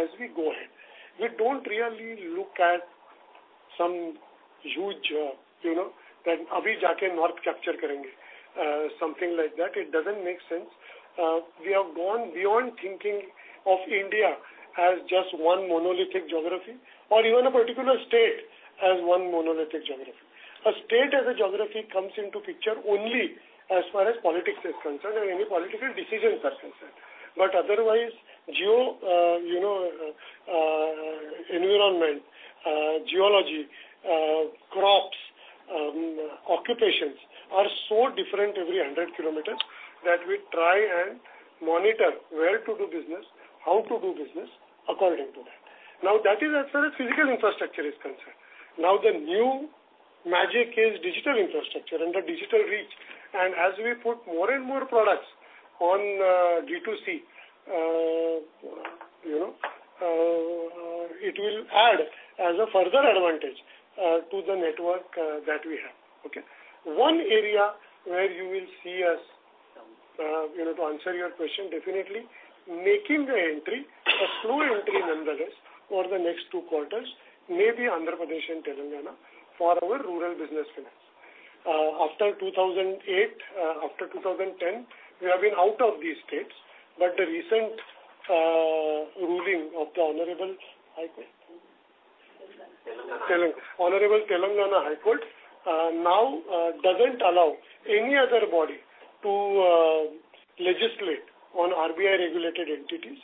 as we go ahead. We don't really look at some huge that "let us capture north now " something like that. It doesn't make sense. We have gone beyond thinking of India as just one monolithic geography or even a particular state as one monolithic geography. A state as a geography comes into picture only as far as politics is concerned and any political decisions are concerned. Otherwise, geo, you know, environment, geology, crops, occupations are so different every 100 Km that we try and monitor where to do business, how to do business according to that. That is as far as physical infrastructure is concerned. The new magic is digital infrastructure and the digital reach. As we put more and more products on D2C, you know, it will add as a further advantage to the network that we have. Okay. One area where you will see us, you know, to answer your question, definitely making the entry, a slow entry nonetheless, over the next two quarters, maybe Andhra Pradesh and Telangana for our Rural Business Finance. After 2008, after 2010, we have been out of these states, but the recent ruling of the Honorable Telangana High Court Honorable Telangana High Court, now, doesn't allow any other body to legislate on RBI-regulated entities,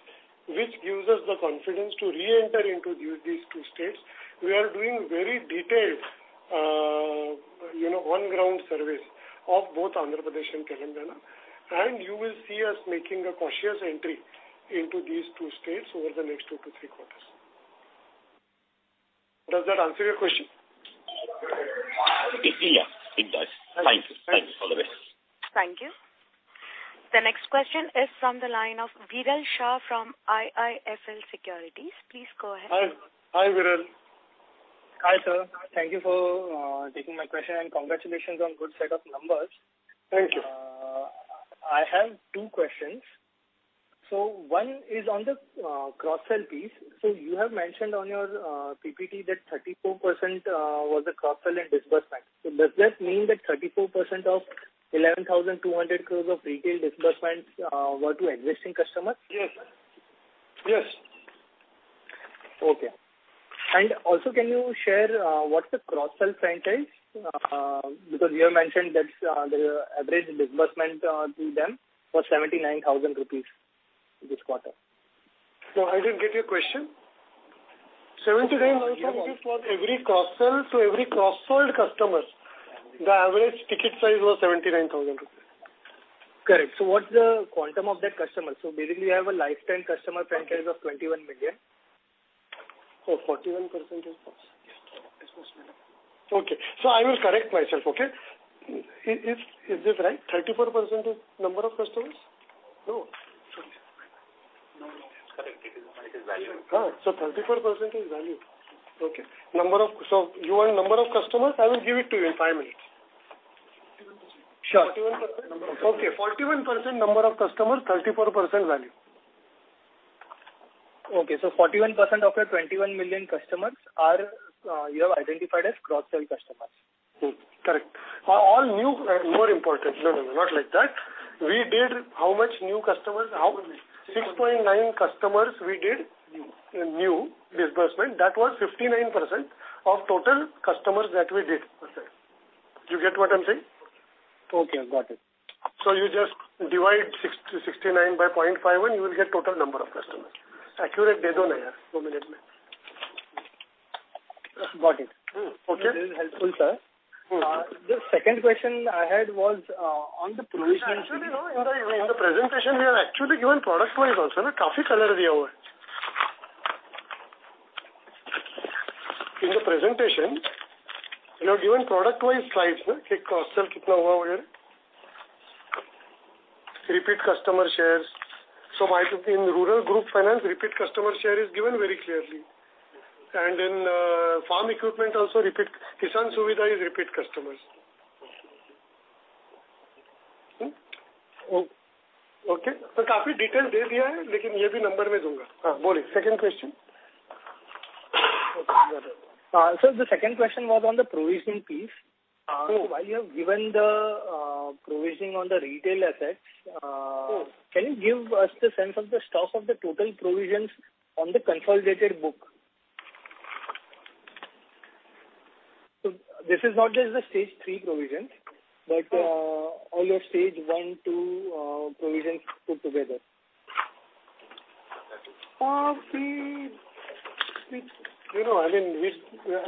which gives us the confidence to reenter into these two states. We are doing very detailed, you know, on-ground surveys of both Andhra Pradesh and Telangana. You will see us making a cautious entry into these two states over the next two to three quarters. Does that answer your question? Yeah, it does. Thank you. Thank you. All the best. Thank you. The next question is from the line of Viral Shah from IIFL Securities. Please go ahead. Hi, Viral. Hi, sir. Thank you for taking my question. Congratulations on good set of numbers. Thank you. I have two questions. One is on the cross-sell piece. You have mentioned on your PPT that 34% was a cross-sell and disbursement. Does that mean that 34% of 11,200 crores of retail disbursements were to existing customers? Yes. Yes. Okay. Also, can you share, what's the cross-sell franchise? Because you have mentioned that, the average disbursement, to them was 79,000 rupees this quarter. I didn't get your question. 79,000 rupees for every cross-sell to every cross-sell customers, the average ticket size was 79,000 rupees. Correct. What's the quantum of that customer? Basically, you have a lifetime customer franchise of 21 million. 41% is. Okay, I will correct myself, okay? Is this right? 34% is number of customers? No. Correct, it is value. 34% is value. Okay. You want number of customers? I will give it to you in five minutes. Sure. 41%. Okay, 41% number of customers, 34% value. 41% of your 21 million customers are you have identified as cross-sell customers. Correct. All new, more important. No, no, not like that. We did how much new customers? 6.9 customers we did new disbursement. That was 59% of total customers that we did. You get what I'm saying? Okay, got it. You just divide 6.9 to 0.59, and you will get total number of customers. Accurate 2 minute. Got it. Hmm, okay. Very helpful, sir. The second question I had was on the provision. Actually, no, in the presentation, we have actually given product-wise also. In the presentation, we have given product-wise slides, repeat customer shares. In Rural Group Finance, repeat customer share is given very clearly. In farm equipment, also repeat, Kisan Suvidha is repeat customers. Okay. Second question? Sir, the second question was on the provisioning piece. So- While you have given the provisioning on the retail assets. Sure. Can you give us the sense of the stock of the total provisions on the consolidated book? This is not just the Stage 3 provisions, but all your Stage 1, 2 provisions put together. See, you know, I mean,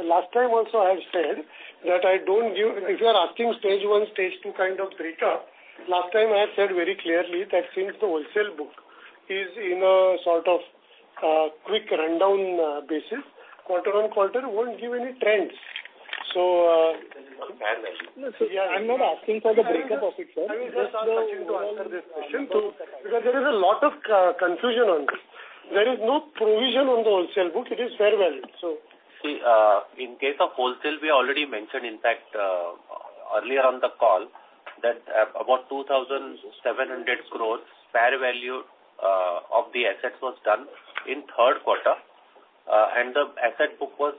last time also I have said that I don't give... If you are asking Stage 1, Stage 2 kind of data, last time I had said very clearly that since the Wholesale book is in a sort of quick rundown basis, quarter-on-quarter, it won't give any trends. I'm not asking for the breakup of it, sir. I will just ask Sachinn to answer this question, because there is a lot of confusion on this. There is no provision on the Wholesale book. It is fair value. In case of Wholesale, we already mentioned, in fact, earlier on the call, that about 2,700 crores fair value of the assets was done in third quarter, the asset book was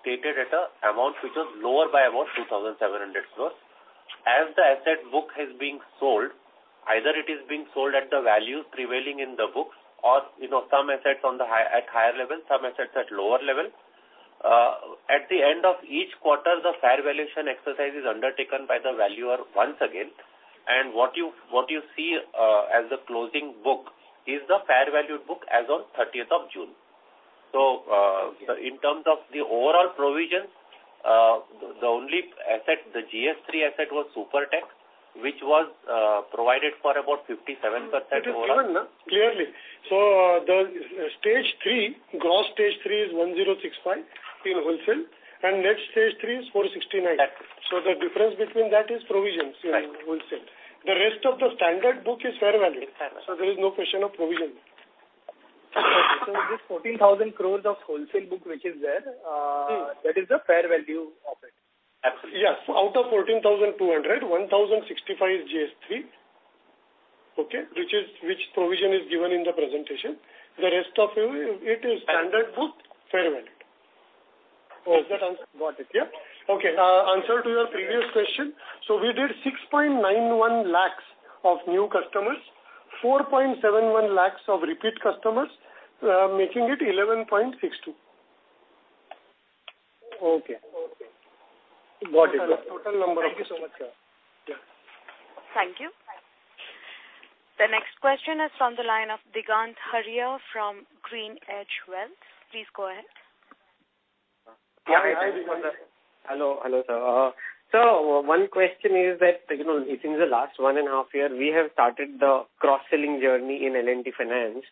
stated at a amount which was lower by about 2,700 crores. As the asset book is being sold, either it is being sold at the value prevailing in the books or, you know, some assets on the high, at higher level, some assets at lower level. At the end of each quarter, the fair valuation exercise is undertaken by the valuer once again, what you see as the closing book is the fair value book as of thirtieth of June. In terms of the overall provisions, the only asset, the GS3 asset was Supertech, which was provided for about 57%. It is given, clearly. The Stage 3, gross Stage 3 is 1,065 in Wholesale, and net Stage 3 is 469. Correct. The difference between that is provisions- Right. in Wholesale. The rest of the standard book is fair value. Fair value. There is no question of provision. This 14,000 crores of Wholesale book, which is there, that is the fair value of it? Absolutely. Yes. Out of 14,200, 1,065 is GS3, okay? Which provision is given in the presentation. The rest of it is standard book, fair value. Got it. Yeah. Okay, answer to your previous question. We did 6.91 lakhs of new customers, 4.71 lakhs of repeat customers, making it 11.62. Okay. Got it. Total number of customers. Thank you so much, sir. Yeah. Thank you. The next question is from the line of Digant Haria from GreenEdge Wealth. Please go ahead. Yeah, hi. Hello, hello, sir. One question is that, you know, in the last one and a half year, we have started the cross-selling journey in L&T Finance.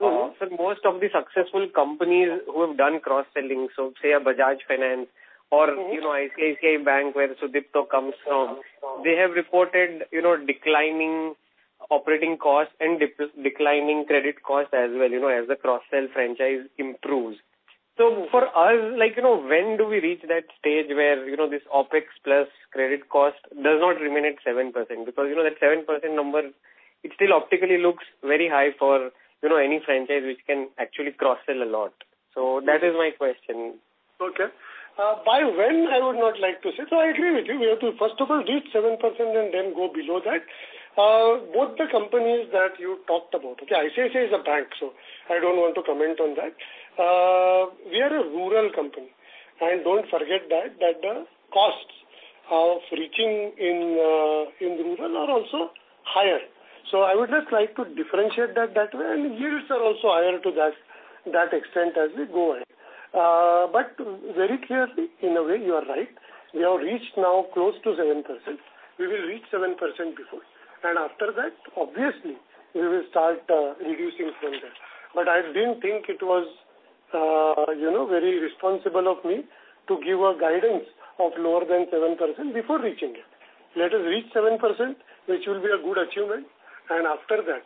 Mm-hmm. Most of the successful companies who have done cross-selling, say Bajaj Finance or, you know, ICICI Bank, where Sudipta comes from, they have reported, you know, declining operating costs and declining credit costs as well, you know, as the cross-sell franchise improves. For us, like, you know, when do we reach that stage where, you know, this OpEx plus credit cost does not remain at 7%? Because, you know, that 7% number, it still optically looks very high for, you know, any franchise which can actually cross-sell a lot. That is my question. Okay. By when, I would not like to say. I agree with you. We have to, first of all, reach 7% and then go below that. Both the companies that you talked about, okay, ICICI is a bank, so I don't want to comment on that. We are a Rural company, and don't forget that the costs of reaching in Rural are also higher. I would just like to differentiate that that way, and yields are also higher to that extent as we go ahead. Very clearly, in a way, you are right. We have reached now close to 7%. We will reach 7% before, and after that, obviously, we will start reducing from there. I didn't think it was, you know, very responsible of me to give a guidance of lower than 7% before reaching it. Let us reach 7%, which will be a good achievement. After that,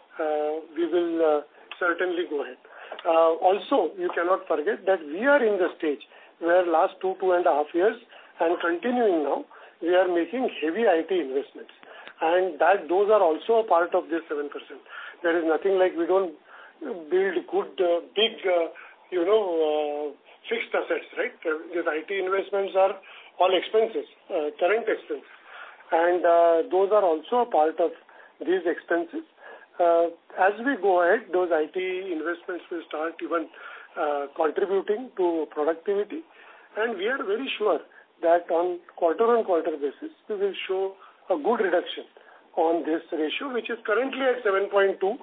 we will certainly go ahead. You cannot forget that we are in the stage where last two and a half years, and continuing now, we are making heavy IT investments. Those are also a part of this 7%. There is nothing like we don't build good, big, you know, fixed assets, right? These IT investments are all expenses, current expense. Those are also a part of these expenses. As we go ahead, those IT investments will start even contributing to productivity, and we are very sure that on quarter-on-quarter basis, we will show a good reduction on this ratio, which is currently at 7.2%.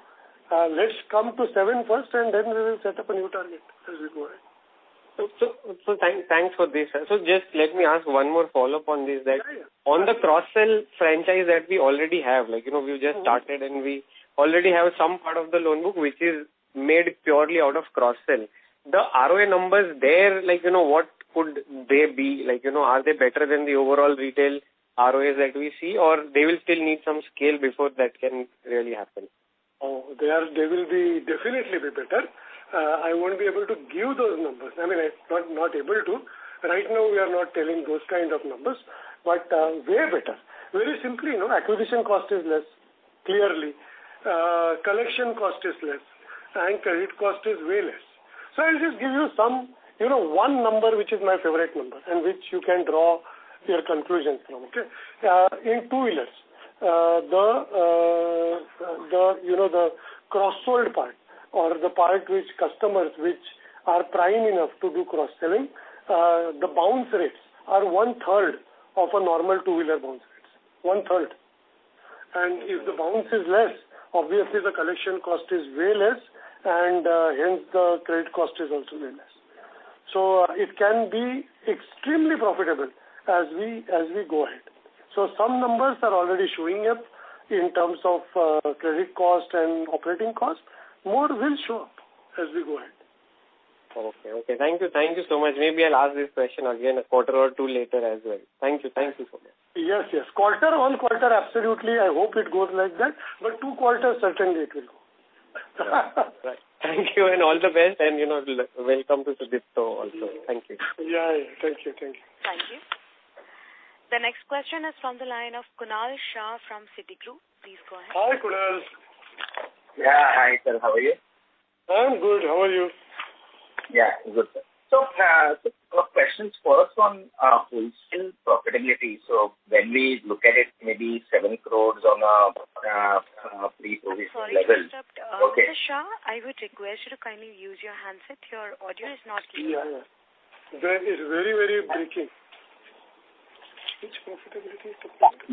Let's come to 7% first, and then we will set up a new target as we go ahead. Thanks for this. Just let me ask one more follow-up on this. Sure, yeah. On the cross-sell franchise that we already have, like, you know, we've just started and we already have some part of the loan book, which is made purely out of cross-sell. The ROA numbers there, like, you know, what could they be? Like, you know, are they better than the overall retail ROAs that we see, or they will still need some scale before that can really happen? They will definitely be better. I won't be able to give those numbers. I mean, I'm not able to. Right now, we are not telling those kind of numbers, but way better. Very simply, you know, acquisition cost is less, clearly. Collection cost is less, and credit cost is way less. I'll just give you some, you know, one number, which is my favorite number, and which you can draw your conclusions from, okay? In 2-wheelers, the, you know, the cross-sold part or the part which customers which are prime enough to do cross-selling, the bounce rates are 1/3 of a normal 2-wheeler bounce rates, 1/3. If the bounce is less, obviously the collection cost is way less, and, hence, the credit cost is also way less. It can be extremely profitable as we go ahead. Some numbers are already showing up in terms of credit cost and operating cost. More will show up as we go ahead. Okay. Okay. Thank you. Thank you so much. Maybe I'll ask this question again a quarter or two later as well. Thank you. Thank you so much. Yes, yes. Quarter-on-quarter, absolutely, I hope it goes like that. Two quarters, certainly it will go. Right. Thank you, and all the best, and, you know, welcome to Sudipta also. Thank you. Yeah, thank you. Thank you. Thank you. The next question is from the line of Kunal Shah from Citigroup. Please go ahead. Hi, Kunal. Yeah. Hi, sir. How are you? I'm good. How are you? Yeah, good, sir. questions first on Wholesale profitability. when we look at it, maybe 7 crores on a pre-provision level. Sorry to interrupt. Okay. Mr. Shah, I would request you to kindly use your handset. Your audio is not clear. Yeah. That is very, very breaking. Which profitability?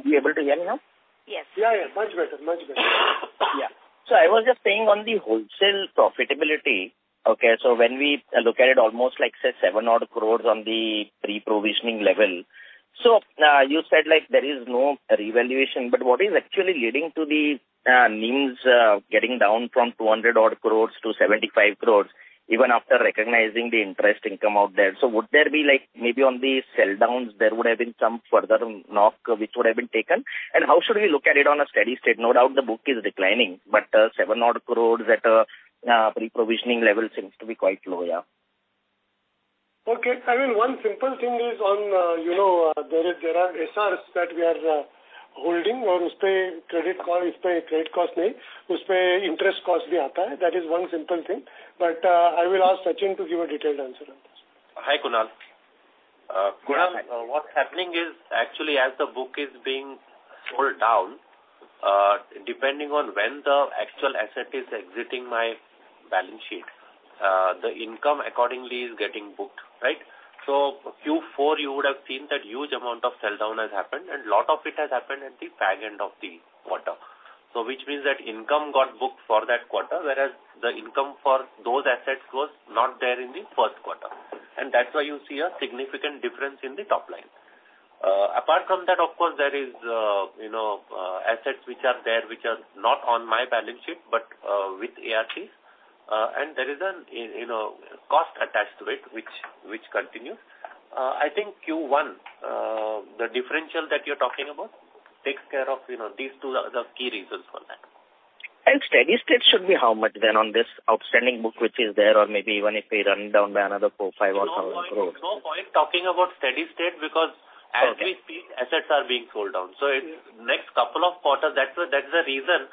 You able to hear me now? Yes. Yeah, yeah, much better. Much better. Yeah. I was just saying on the Wholesale profitability, okay, so when we look at it almost like, say, 7 odd crores on the pre-provisioning level. You said, like, there is no revaluation, but what is actually leading to the NIM getting down from 200 odd crores to 75 crores, even after recognizing the interest income out there? Would there be like maybe on the sell downs, there would have been some further knock which would have been taken? How should we look at it on a steady state? No doubt, the book is declining, but 7 odd crores at a pre-provisioning level seems to be quite low, yeah. Okay. I mean, one simple thing is on, you know, there are SRs that we are holding, or credit cost, interest cost. That is one simple thing, I will ask Sachinn to give a detailed answer on this. Hi, Kunal. Kunal, what's happening is actually, as the book is being sold down, depending on when the actual asset is exiting my balance sheet, the income accordingly is getting booked, right? Q4, you would have seen that huge amount of sell down has happened, and a lot of it has happened at the back end of the quarter. Which means that income got booked for that quarter, whereas the income for those assets was not there in the first quarter. That's why you see a significant difference in the top line. Apart from that, of course, there is, you know, assets which are there, which are not on my balance sheet, but with ARCs, and there is an, you know, cost attached to it, which continues. I think Q1, the differential that you're talking about takes care of, you know, these two are the key reasons for that. Steady state should be how much then on this outstanding book, which is there, or maybe even if we run down by another 4, 5 or 1,000 crores? No point, no point talking about steady state, because as we speak, assets are being sold down. In next couple of quarters, that's the reason. Yeah.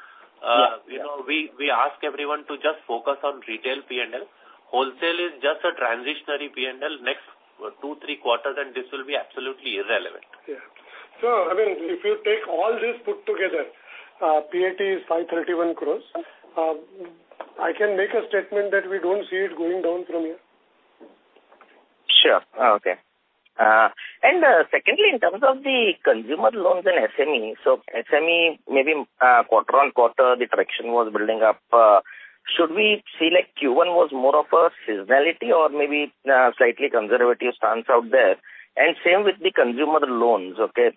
you know, we ask everyone to just focus on retail P&L. Wholesale is just a transitionary P&L. Next two, three quarters, this will be absolutely irrelevant. I mean, if you take all this put together, PAT is 531 crores. I can make a statement that we don't see it going down from here. Sure. Okay. Secondly, in terms of the Consumer Loans and SME, maybe, quarter on quarter, the traction was building up. Should we see like Q1 was more of a seasonality or maybe, slightly conservative stance out there? Same with the Consumer Loans, okay?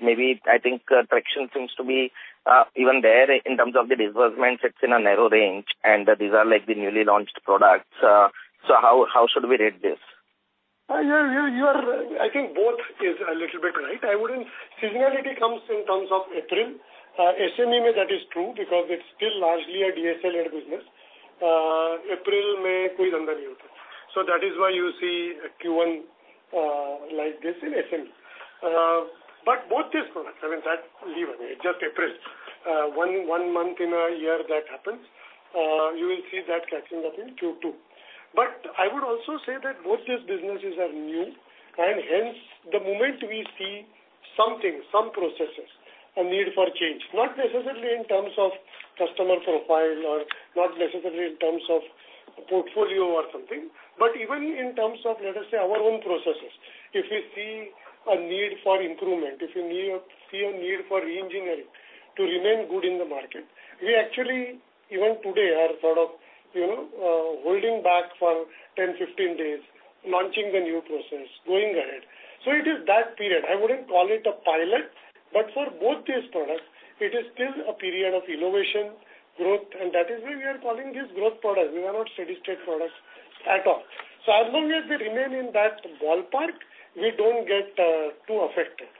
Maybe I think, traction seems to be, even there in terms of the disbursements, it's in a narrow range, and these are like the newly launched products. How should we read this? I think both is a little bit right. I wouldn't. Seasonality comes in terms of April. SME, that is true, because it's still largely a DSL-led business. April, that is why you see a Q1 like this in SME. Both these products, I mean, that, leave it, just April. One month in a year that happens, you will see that catching up in Q2. I would also say that both these businesses are new, and hence, the moment we see something, some processes, a need for change, not necessarily in terms of customer profile or not necessarily in terms of portfolio or something, but even in terms of, let us say, our own processes. If we see a need for improvement, if you see a need for reengineering to remain good in the market, we actually, even today, are sort of, you know, holding back for 10, 15 days, launching the new process, going ahead. It is that period. I wouldn't call it a pilot, but for both these products, it is still a period of innovation, growth, and that is why we are calling these growth products. We are not steady-state products at all. As long as we remain in that ballpark, we don't get too affected.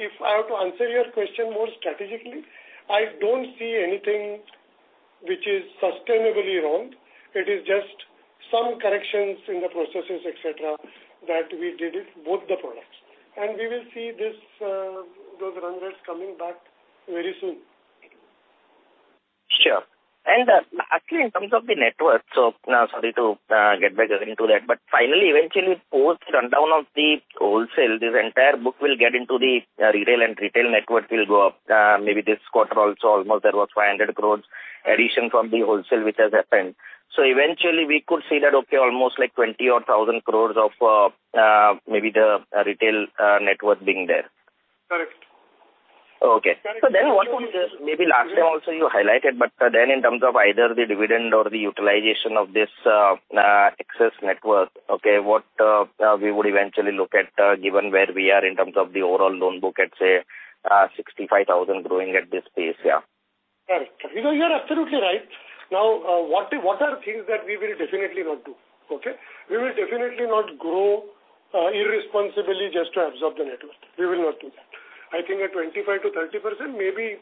If I were to answer your question more strategically, I don't see anything which is sustainably wrong. It is just some corrections in the processes, et cetera, that we did it, both the products. We will see this, those run rates coming back very soon. Sure. Actually, in terms of the network, sorry to get back into that, but finally, eventually, post rundown of the Wholesale, this entire book will get into the retail, and retail network will go up. Maybe this quarter also, almost there was 500 crores addition from the Wholesale, which has happened. Eventually, we could see that, okay, almost like 20,000 crores of maybe the retail network being there. Correct. Okay. Correct. Maybe last time also you highlighted, but then in terms of either the dividend or the utilization of this excess net worth, okay, what we would eventually look at, given where we are in terms of the overall loan book at, say, 65,000 growing at this pace, yeah? Correct. You know, you are absolutely right. Now, what are things that we will definitely not do, okay? We will definitely not grow irresponsibly just to absorb the network. We will not do that. I think at 25%-30%, maybe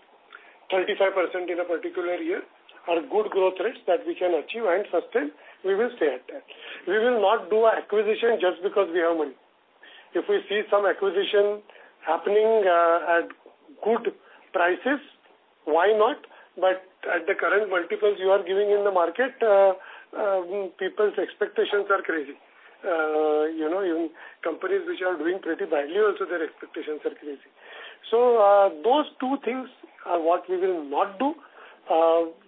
35% in a particular year, are good growth rates that we can achieve and sustain, we will stay at that. We will not do acquisition just because we have money. If we see some acquisition happening at good prices, why not? At the current multiples you are giving in the market, people's expectations are crazy. You know, even companies which are doing pretty badly, also their expectations are crazy. Those two things are what we will not do.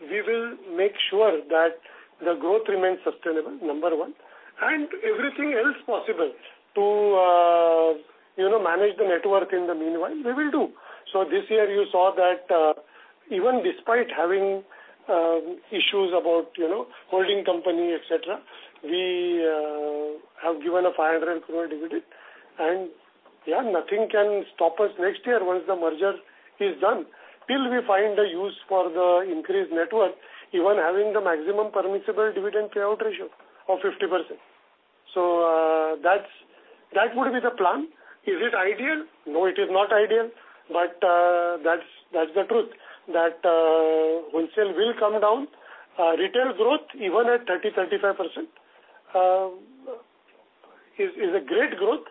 We will make sure that the growth remains sustainable, number one, and everything else possible to, you know, manage the network in the meanwhile, we will do. This year you saw that, even despite having issues about, you know, holding company, et cetera, we have given a 500 crore dividend. Yeah, nothing can stop us next year once the merger is done, till we find a use for the increased network, even having the maximum permissible dividend payout ratio of 50%. That's, that would be the plan. Is it ideal? No, it is not ideal, but that's the truth, that Wholesale will come down. Retail growth, even at 30%-35%, is a great growth.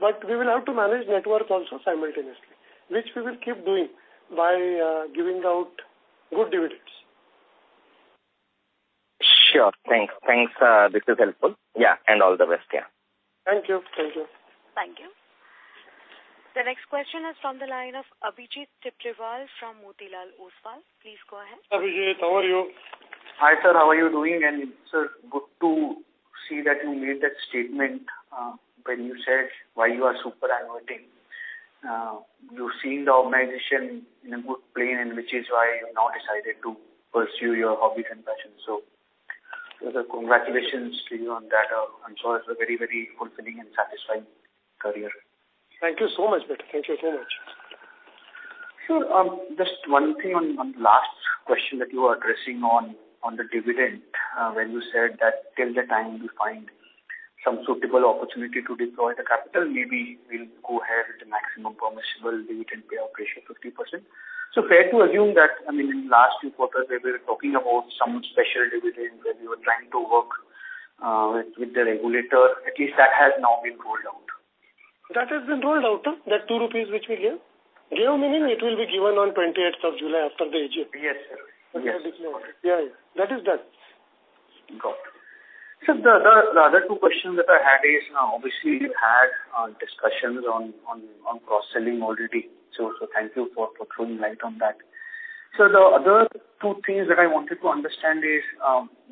We will have to manage network also simultaneously, which we will keep doing by giving out good dividends. Sure. Thanks. Thanks, this is helpful. Yeah, all the best. Yeah. Thank you. Thank you. Thank you. The next question is from the line of Abhijit Tibrewal from Motilal Oswal. Please go ahead. Abhijit, how are you? Hi, sir, how are you doing? It's good to see that you made that statement, when you said why you are superannuating. You've seen the organization in a good plane, which is why you've now decided to pursue your hobbies and passions. Congratulations to you on that. I'm sure it's a very, very fulfilling and satisfying career. Thank you so much. Thank you very much. Sure. just one thing on the last question that you were addressing on the dividend, when you said that till the time we find some suitable opportunity to deploy the capital, maybe we'll go ahead with the maximum permissible dividend payout ratio, 50%. Fair to assume that, I mean, in the last two quarters, we were talking about some special dividend, where we were trying to work with the regulator. At least that has now been rolled out. That has been rolled out, that 2 rupees which we gave, meaning, it will be given on 28th of July after the AGM. Yes, sir. Yes. Yeah, that is done. Got it. The other two questions that I had is, now, obviously, you had discussions on cross-selling already. Thank you for throwing light on that. The other two things that I wanted to understand is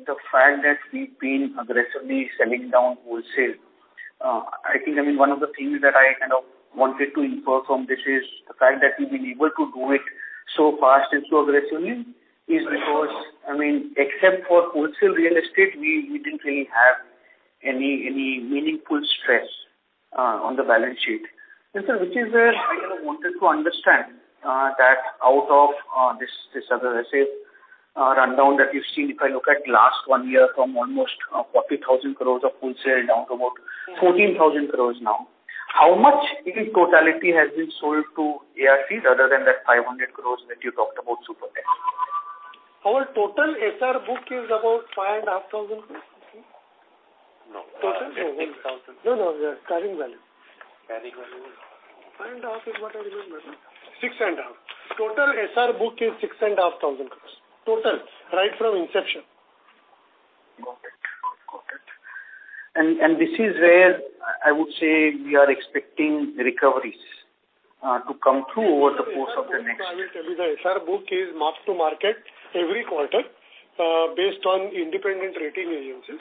the fact that we've been aggressively selling down Wholesale. I think, I mean, one of the things that I kind of wanted to infer from this is the fact that we've been able to do it so fast and so aggressively is because, I mean, except for Wholesale real estate, we didn't really have any meaningful stress on the balance sheet. Which is where I kind of wanted to understand, that out of, this other, let's say, rundown that you've seen, if I look at last one year from almost 40,000 crores of Wholesale down to about 14,000 crores now, how much in totality has been sold to ARCs other than that 500 crores that you talked about Supertech? Our total SR book is about five and a half thousand rupees. No. Total? No, no, carrying value. Carrying value. Five and a half is what I remember. Six and a half. Total SR book is six and a half thousand crores. Total, right from inception. Got it. Got it. This is where I would say we are expecting the recoveries to come through over the course of the next- I will tell you, the SR book is mark to market every quarter, based on independent rating agencies.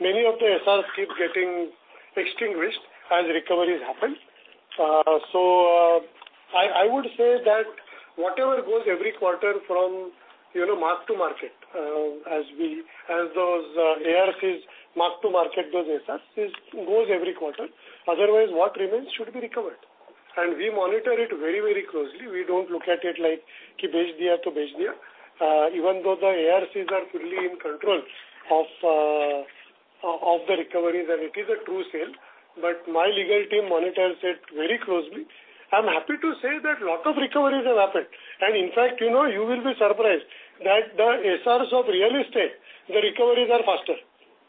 Many of the SRs keep getting extinguished as recoveries happen. I would say that whatever goes every quarter from, you know, mark to market, as those ARCs mark to market, those SRs, it goes every quarter. Otherwise, what remains should be recovered. We monitor it very, very closely. We don't look at it like, "If sold", even though the ARCs are fully in control of the recoveries, and it is a true sale. My legal team monitors it very closely. I'm happy to say that a lot of recoveries have happened. In fact, you know, you will be surprised that the SRs of real estate, the recoveries are faster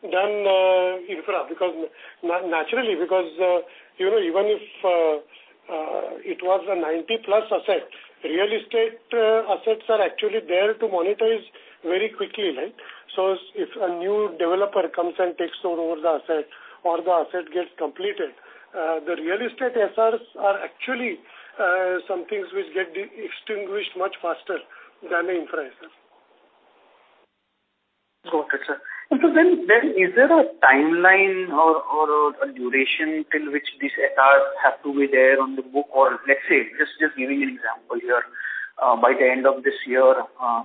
than infra, because naturally, because, you know, even if, it was a 90+ asset, real estate, assets are actually there to monetize very quickly, right? So if a new developer comes and takes over the asset or the asset gets completed, the real estate SRs are actually, some things which get extinguished much faster than the infra assets. Got it, sir. Is there a timeline or a duration till which these SRs have to be there on the book? Let's say, just giving an example here, by the end of this year,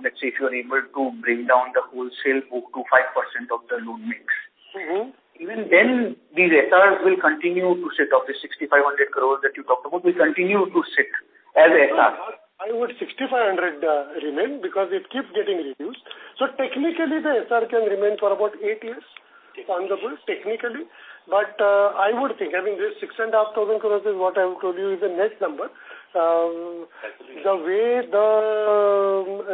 let's say, if you are able to bring down the Wholesale book to 5% of the loan mix- Mm-hmm. Even then, these SRs will continue to sit of the 6,500 crores that you talked about, will continue to sit as SR? I would 6,500 remain because it keeps getting reduced. Technically, the SR can remain for about 8 years, technically. I would think, I mean, this 6,500 crores is what I have told you is the net number. The way the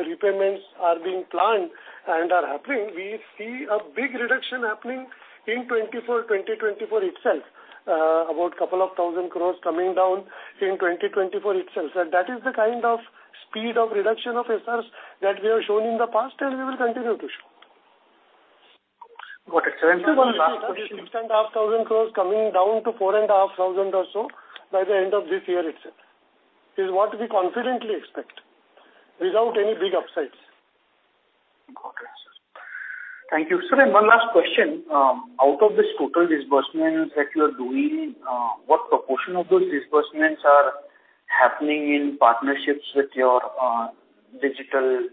repayments are being planned and are happening, we see a big reduction happening in 2024 itself, about couple of thousand crores coming down in 2024 itself. That is the kind of speed of reduction of SRs that we have shown in the past, and we will continue to show. Got it. INR 6,500 crores coming down to 4,500 crores or so by the end of this year itself, is what we confidently expect, without any big upsides. Got it. Thank you. Sir, one last question. Out of this total disbursements that you are doing, what proportion of those disbursements are happening in partnerships with your digital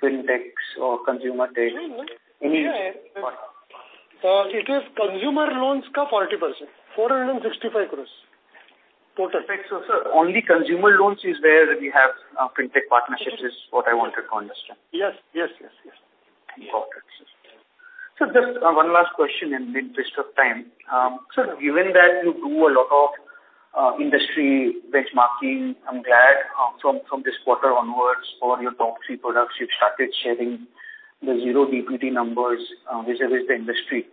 fintechs or consumer tech? It is Consumer Loans, 40%, 465 crores, total. Sir, only Consumer Loans is where we have fintech partnerships, is what I wanted to understand? Yes, yes, yes. Just one last question in the interest of time. Given that you do a lot of industry benchmarking, I'm glad from this quarter onwards, for your top three products, you've started sharing the zero DPD numbers vis-a-vis the industry.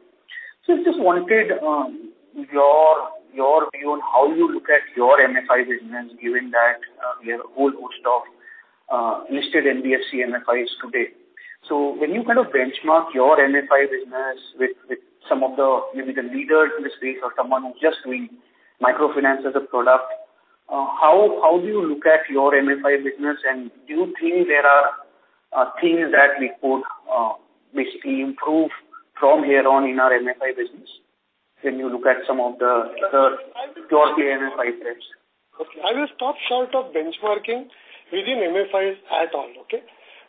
I just wanted your view on how you look at your MFI business, given that we have a whole host of listed NBFC MFIs today. When you kind of benchmark your MFI business with some of the, maybe the leaders in the space or someone who's just doing microfinance as a product, how do you look at your MFI business? And do you think there are things that we could basically improve from here on in our MFI business when you look at some of the pure MFI trends? Okay, I will stop short of benchmarking within MFIs at all, okay.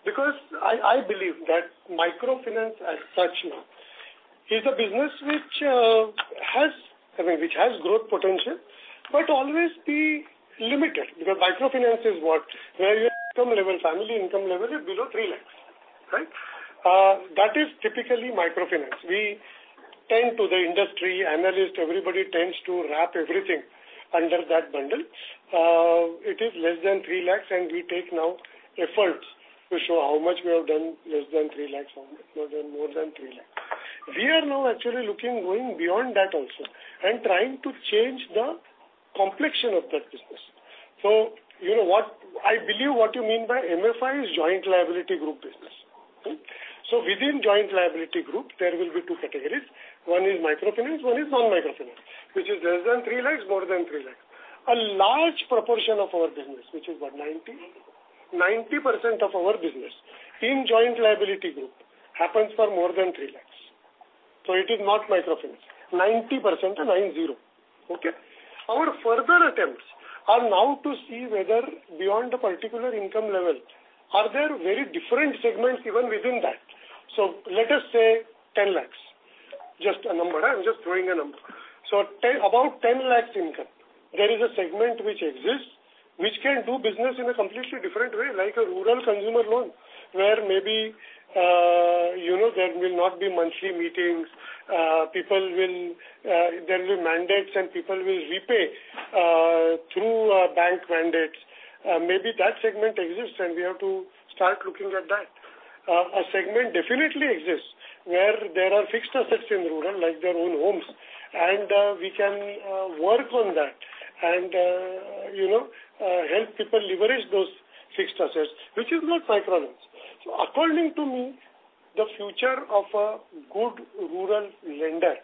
I believe that microfinance as such now is a business which has, I mean, which has growth potential, but always be limited, because microfinance is what? Where your income level, family income level is below 3 lakhs, right? That is typically microfinance. We tend to the industry, analyst, everybody tends to wrap everything under that bundle. It is less than 3 lakhs. We take now efforts to show how much we have done less than 3 lakhs, how much more than 3 lakhs. We are now actually looking, going beyond that also and trying to change the complexion of that business. You know what? I believe what you mean by MFI is joint liability group business. Within joint liability group, there will be two categories. One is microfinance, one is non-microfinance, which is less than 3 lakhs, more than 3 lakhs. A large proportion of our business, which is what? 90% of our business in joint liability group happens for more than 3 lakhs. It is not microfinance. 90%, 90, okay? Our further attempts are now to see whether beyond a particular income level, are there very different segments even within that? Let us say 10 lakhs, just a number. I'm just throwing a number. 10, about 10 lakhs income, there is a segment which exists, which can do business in a completely different way, like a Rural consumer loan, where maybe, you know, there will not be monthly meetings, people will, there will be mandates and people will repay through bank mandates. Maybe that segment exists, and we have to start looking at that. A segment definitely exists where there are fixed assets in Rural, like their own homes, and we can work on that and, you know, help people leverage those fixed assets, which is not microfinance. According to me, the future of a good Rural lender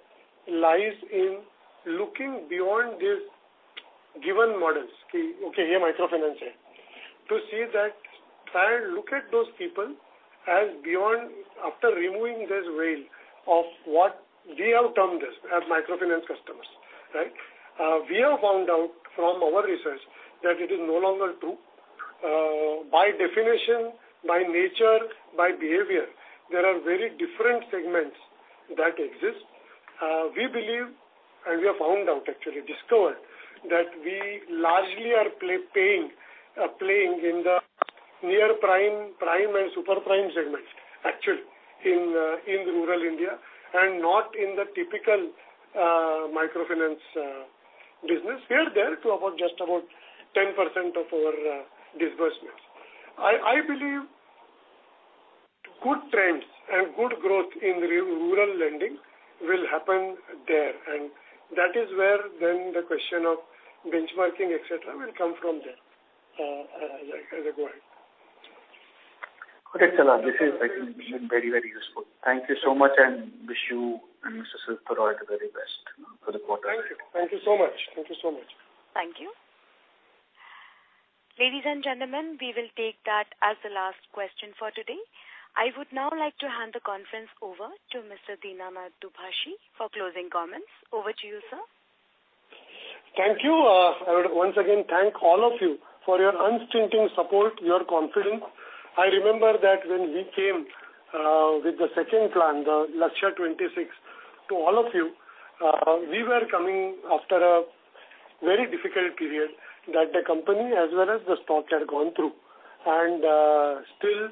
lies in looking beyond these given models, okay, here microfinance, to see that try and look at those people as beyond after removing this veil of what we have termed as microfinance customers, right? We have found out from our research that it is no longer true. By definition, by nature, by behavior, there are very different segments that exist. We believe, we have found out, actually discovered, that we largely are playing in the near prime, and super prime segments, actually, in Rural India, not in the typical Microfinance business. We are there to about, just about 10% of our disbursements. I believe good trends and good growth in the Rural lending will happen there. That is where then the question of benchmarking, et cetera, will come from there as I go ahead. Okay, great color. This has been very, very useful. Thank you so much, and wish you and Mr. Sudipta Roy the very best for the quarter. Thank you so much. Thank you so much. Thank you. Ladies and gentlemen, we will take that as the last question for today. I would now like to hand the conference over to Mr. Dinanath Dubhashi, for closing comments. Over to you, sir. Thank you. I would once again thank all of you for your unstinting support, your confidence. I remember that when we came with the second plan, the Lakshya 2026, to all of you, we were coming after a very difficult period that the company, as well as the stock, had gone through. Still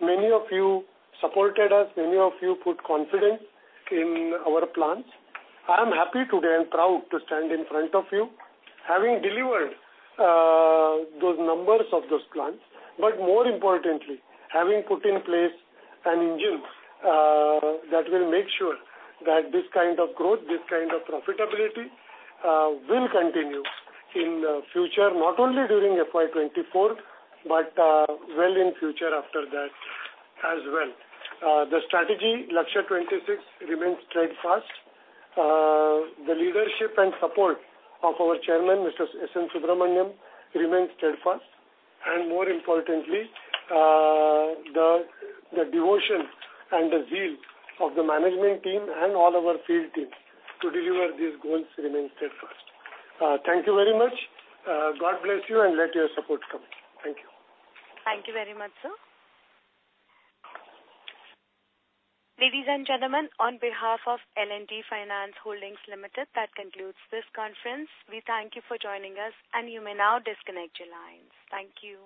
many of you supported us, many of you put confidence in our plans. I am happy today and proud to stand in front of you, having delivered those numbers of those plans, but more importantly, having put in place an engine that will make sure that this kind of growth, this kind of profitability will continue in the future, not only during FY 2024, but well in future after that as well. The strategy, Lakshya 2026, remains steadfast. The leadership and support of our chairman, Mr. S.N. Subrahmanyan, remains steadfast, and more importantly, the devotion and the zeal of the management team and all our field teams to deliver these goals remains steadfast. Thank you very much. God bless you, and let your support come. Thank you. Thank you very much, sir. Ladies and gentlemen, on behalf of L&T Finance Holdings Limited, that concludes this conference. We thank you for joining us, and you may now disconnect your lines. Thank you.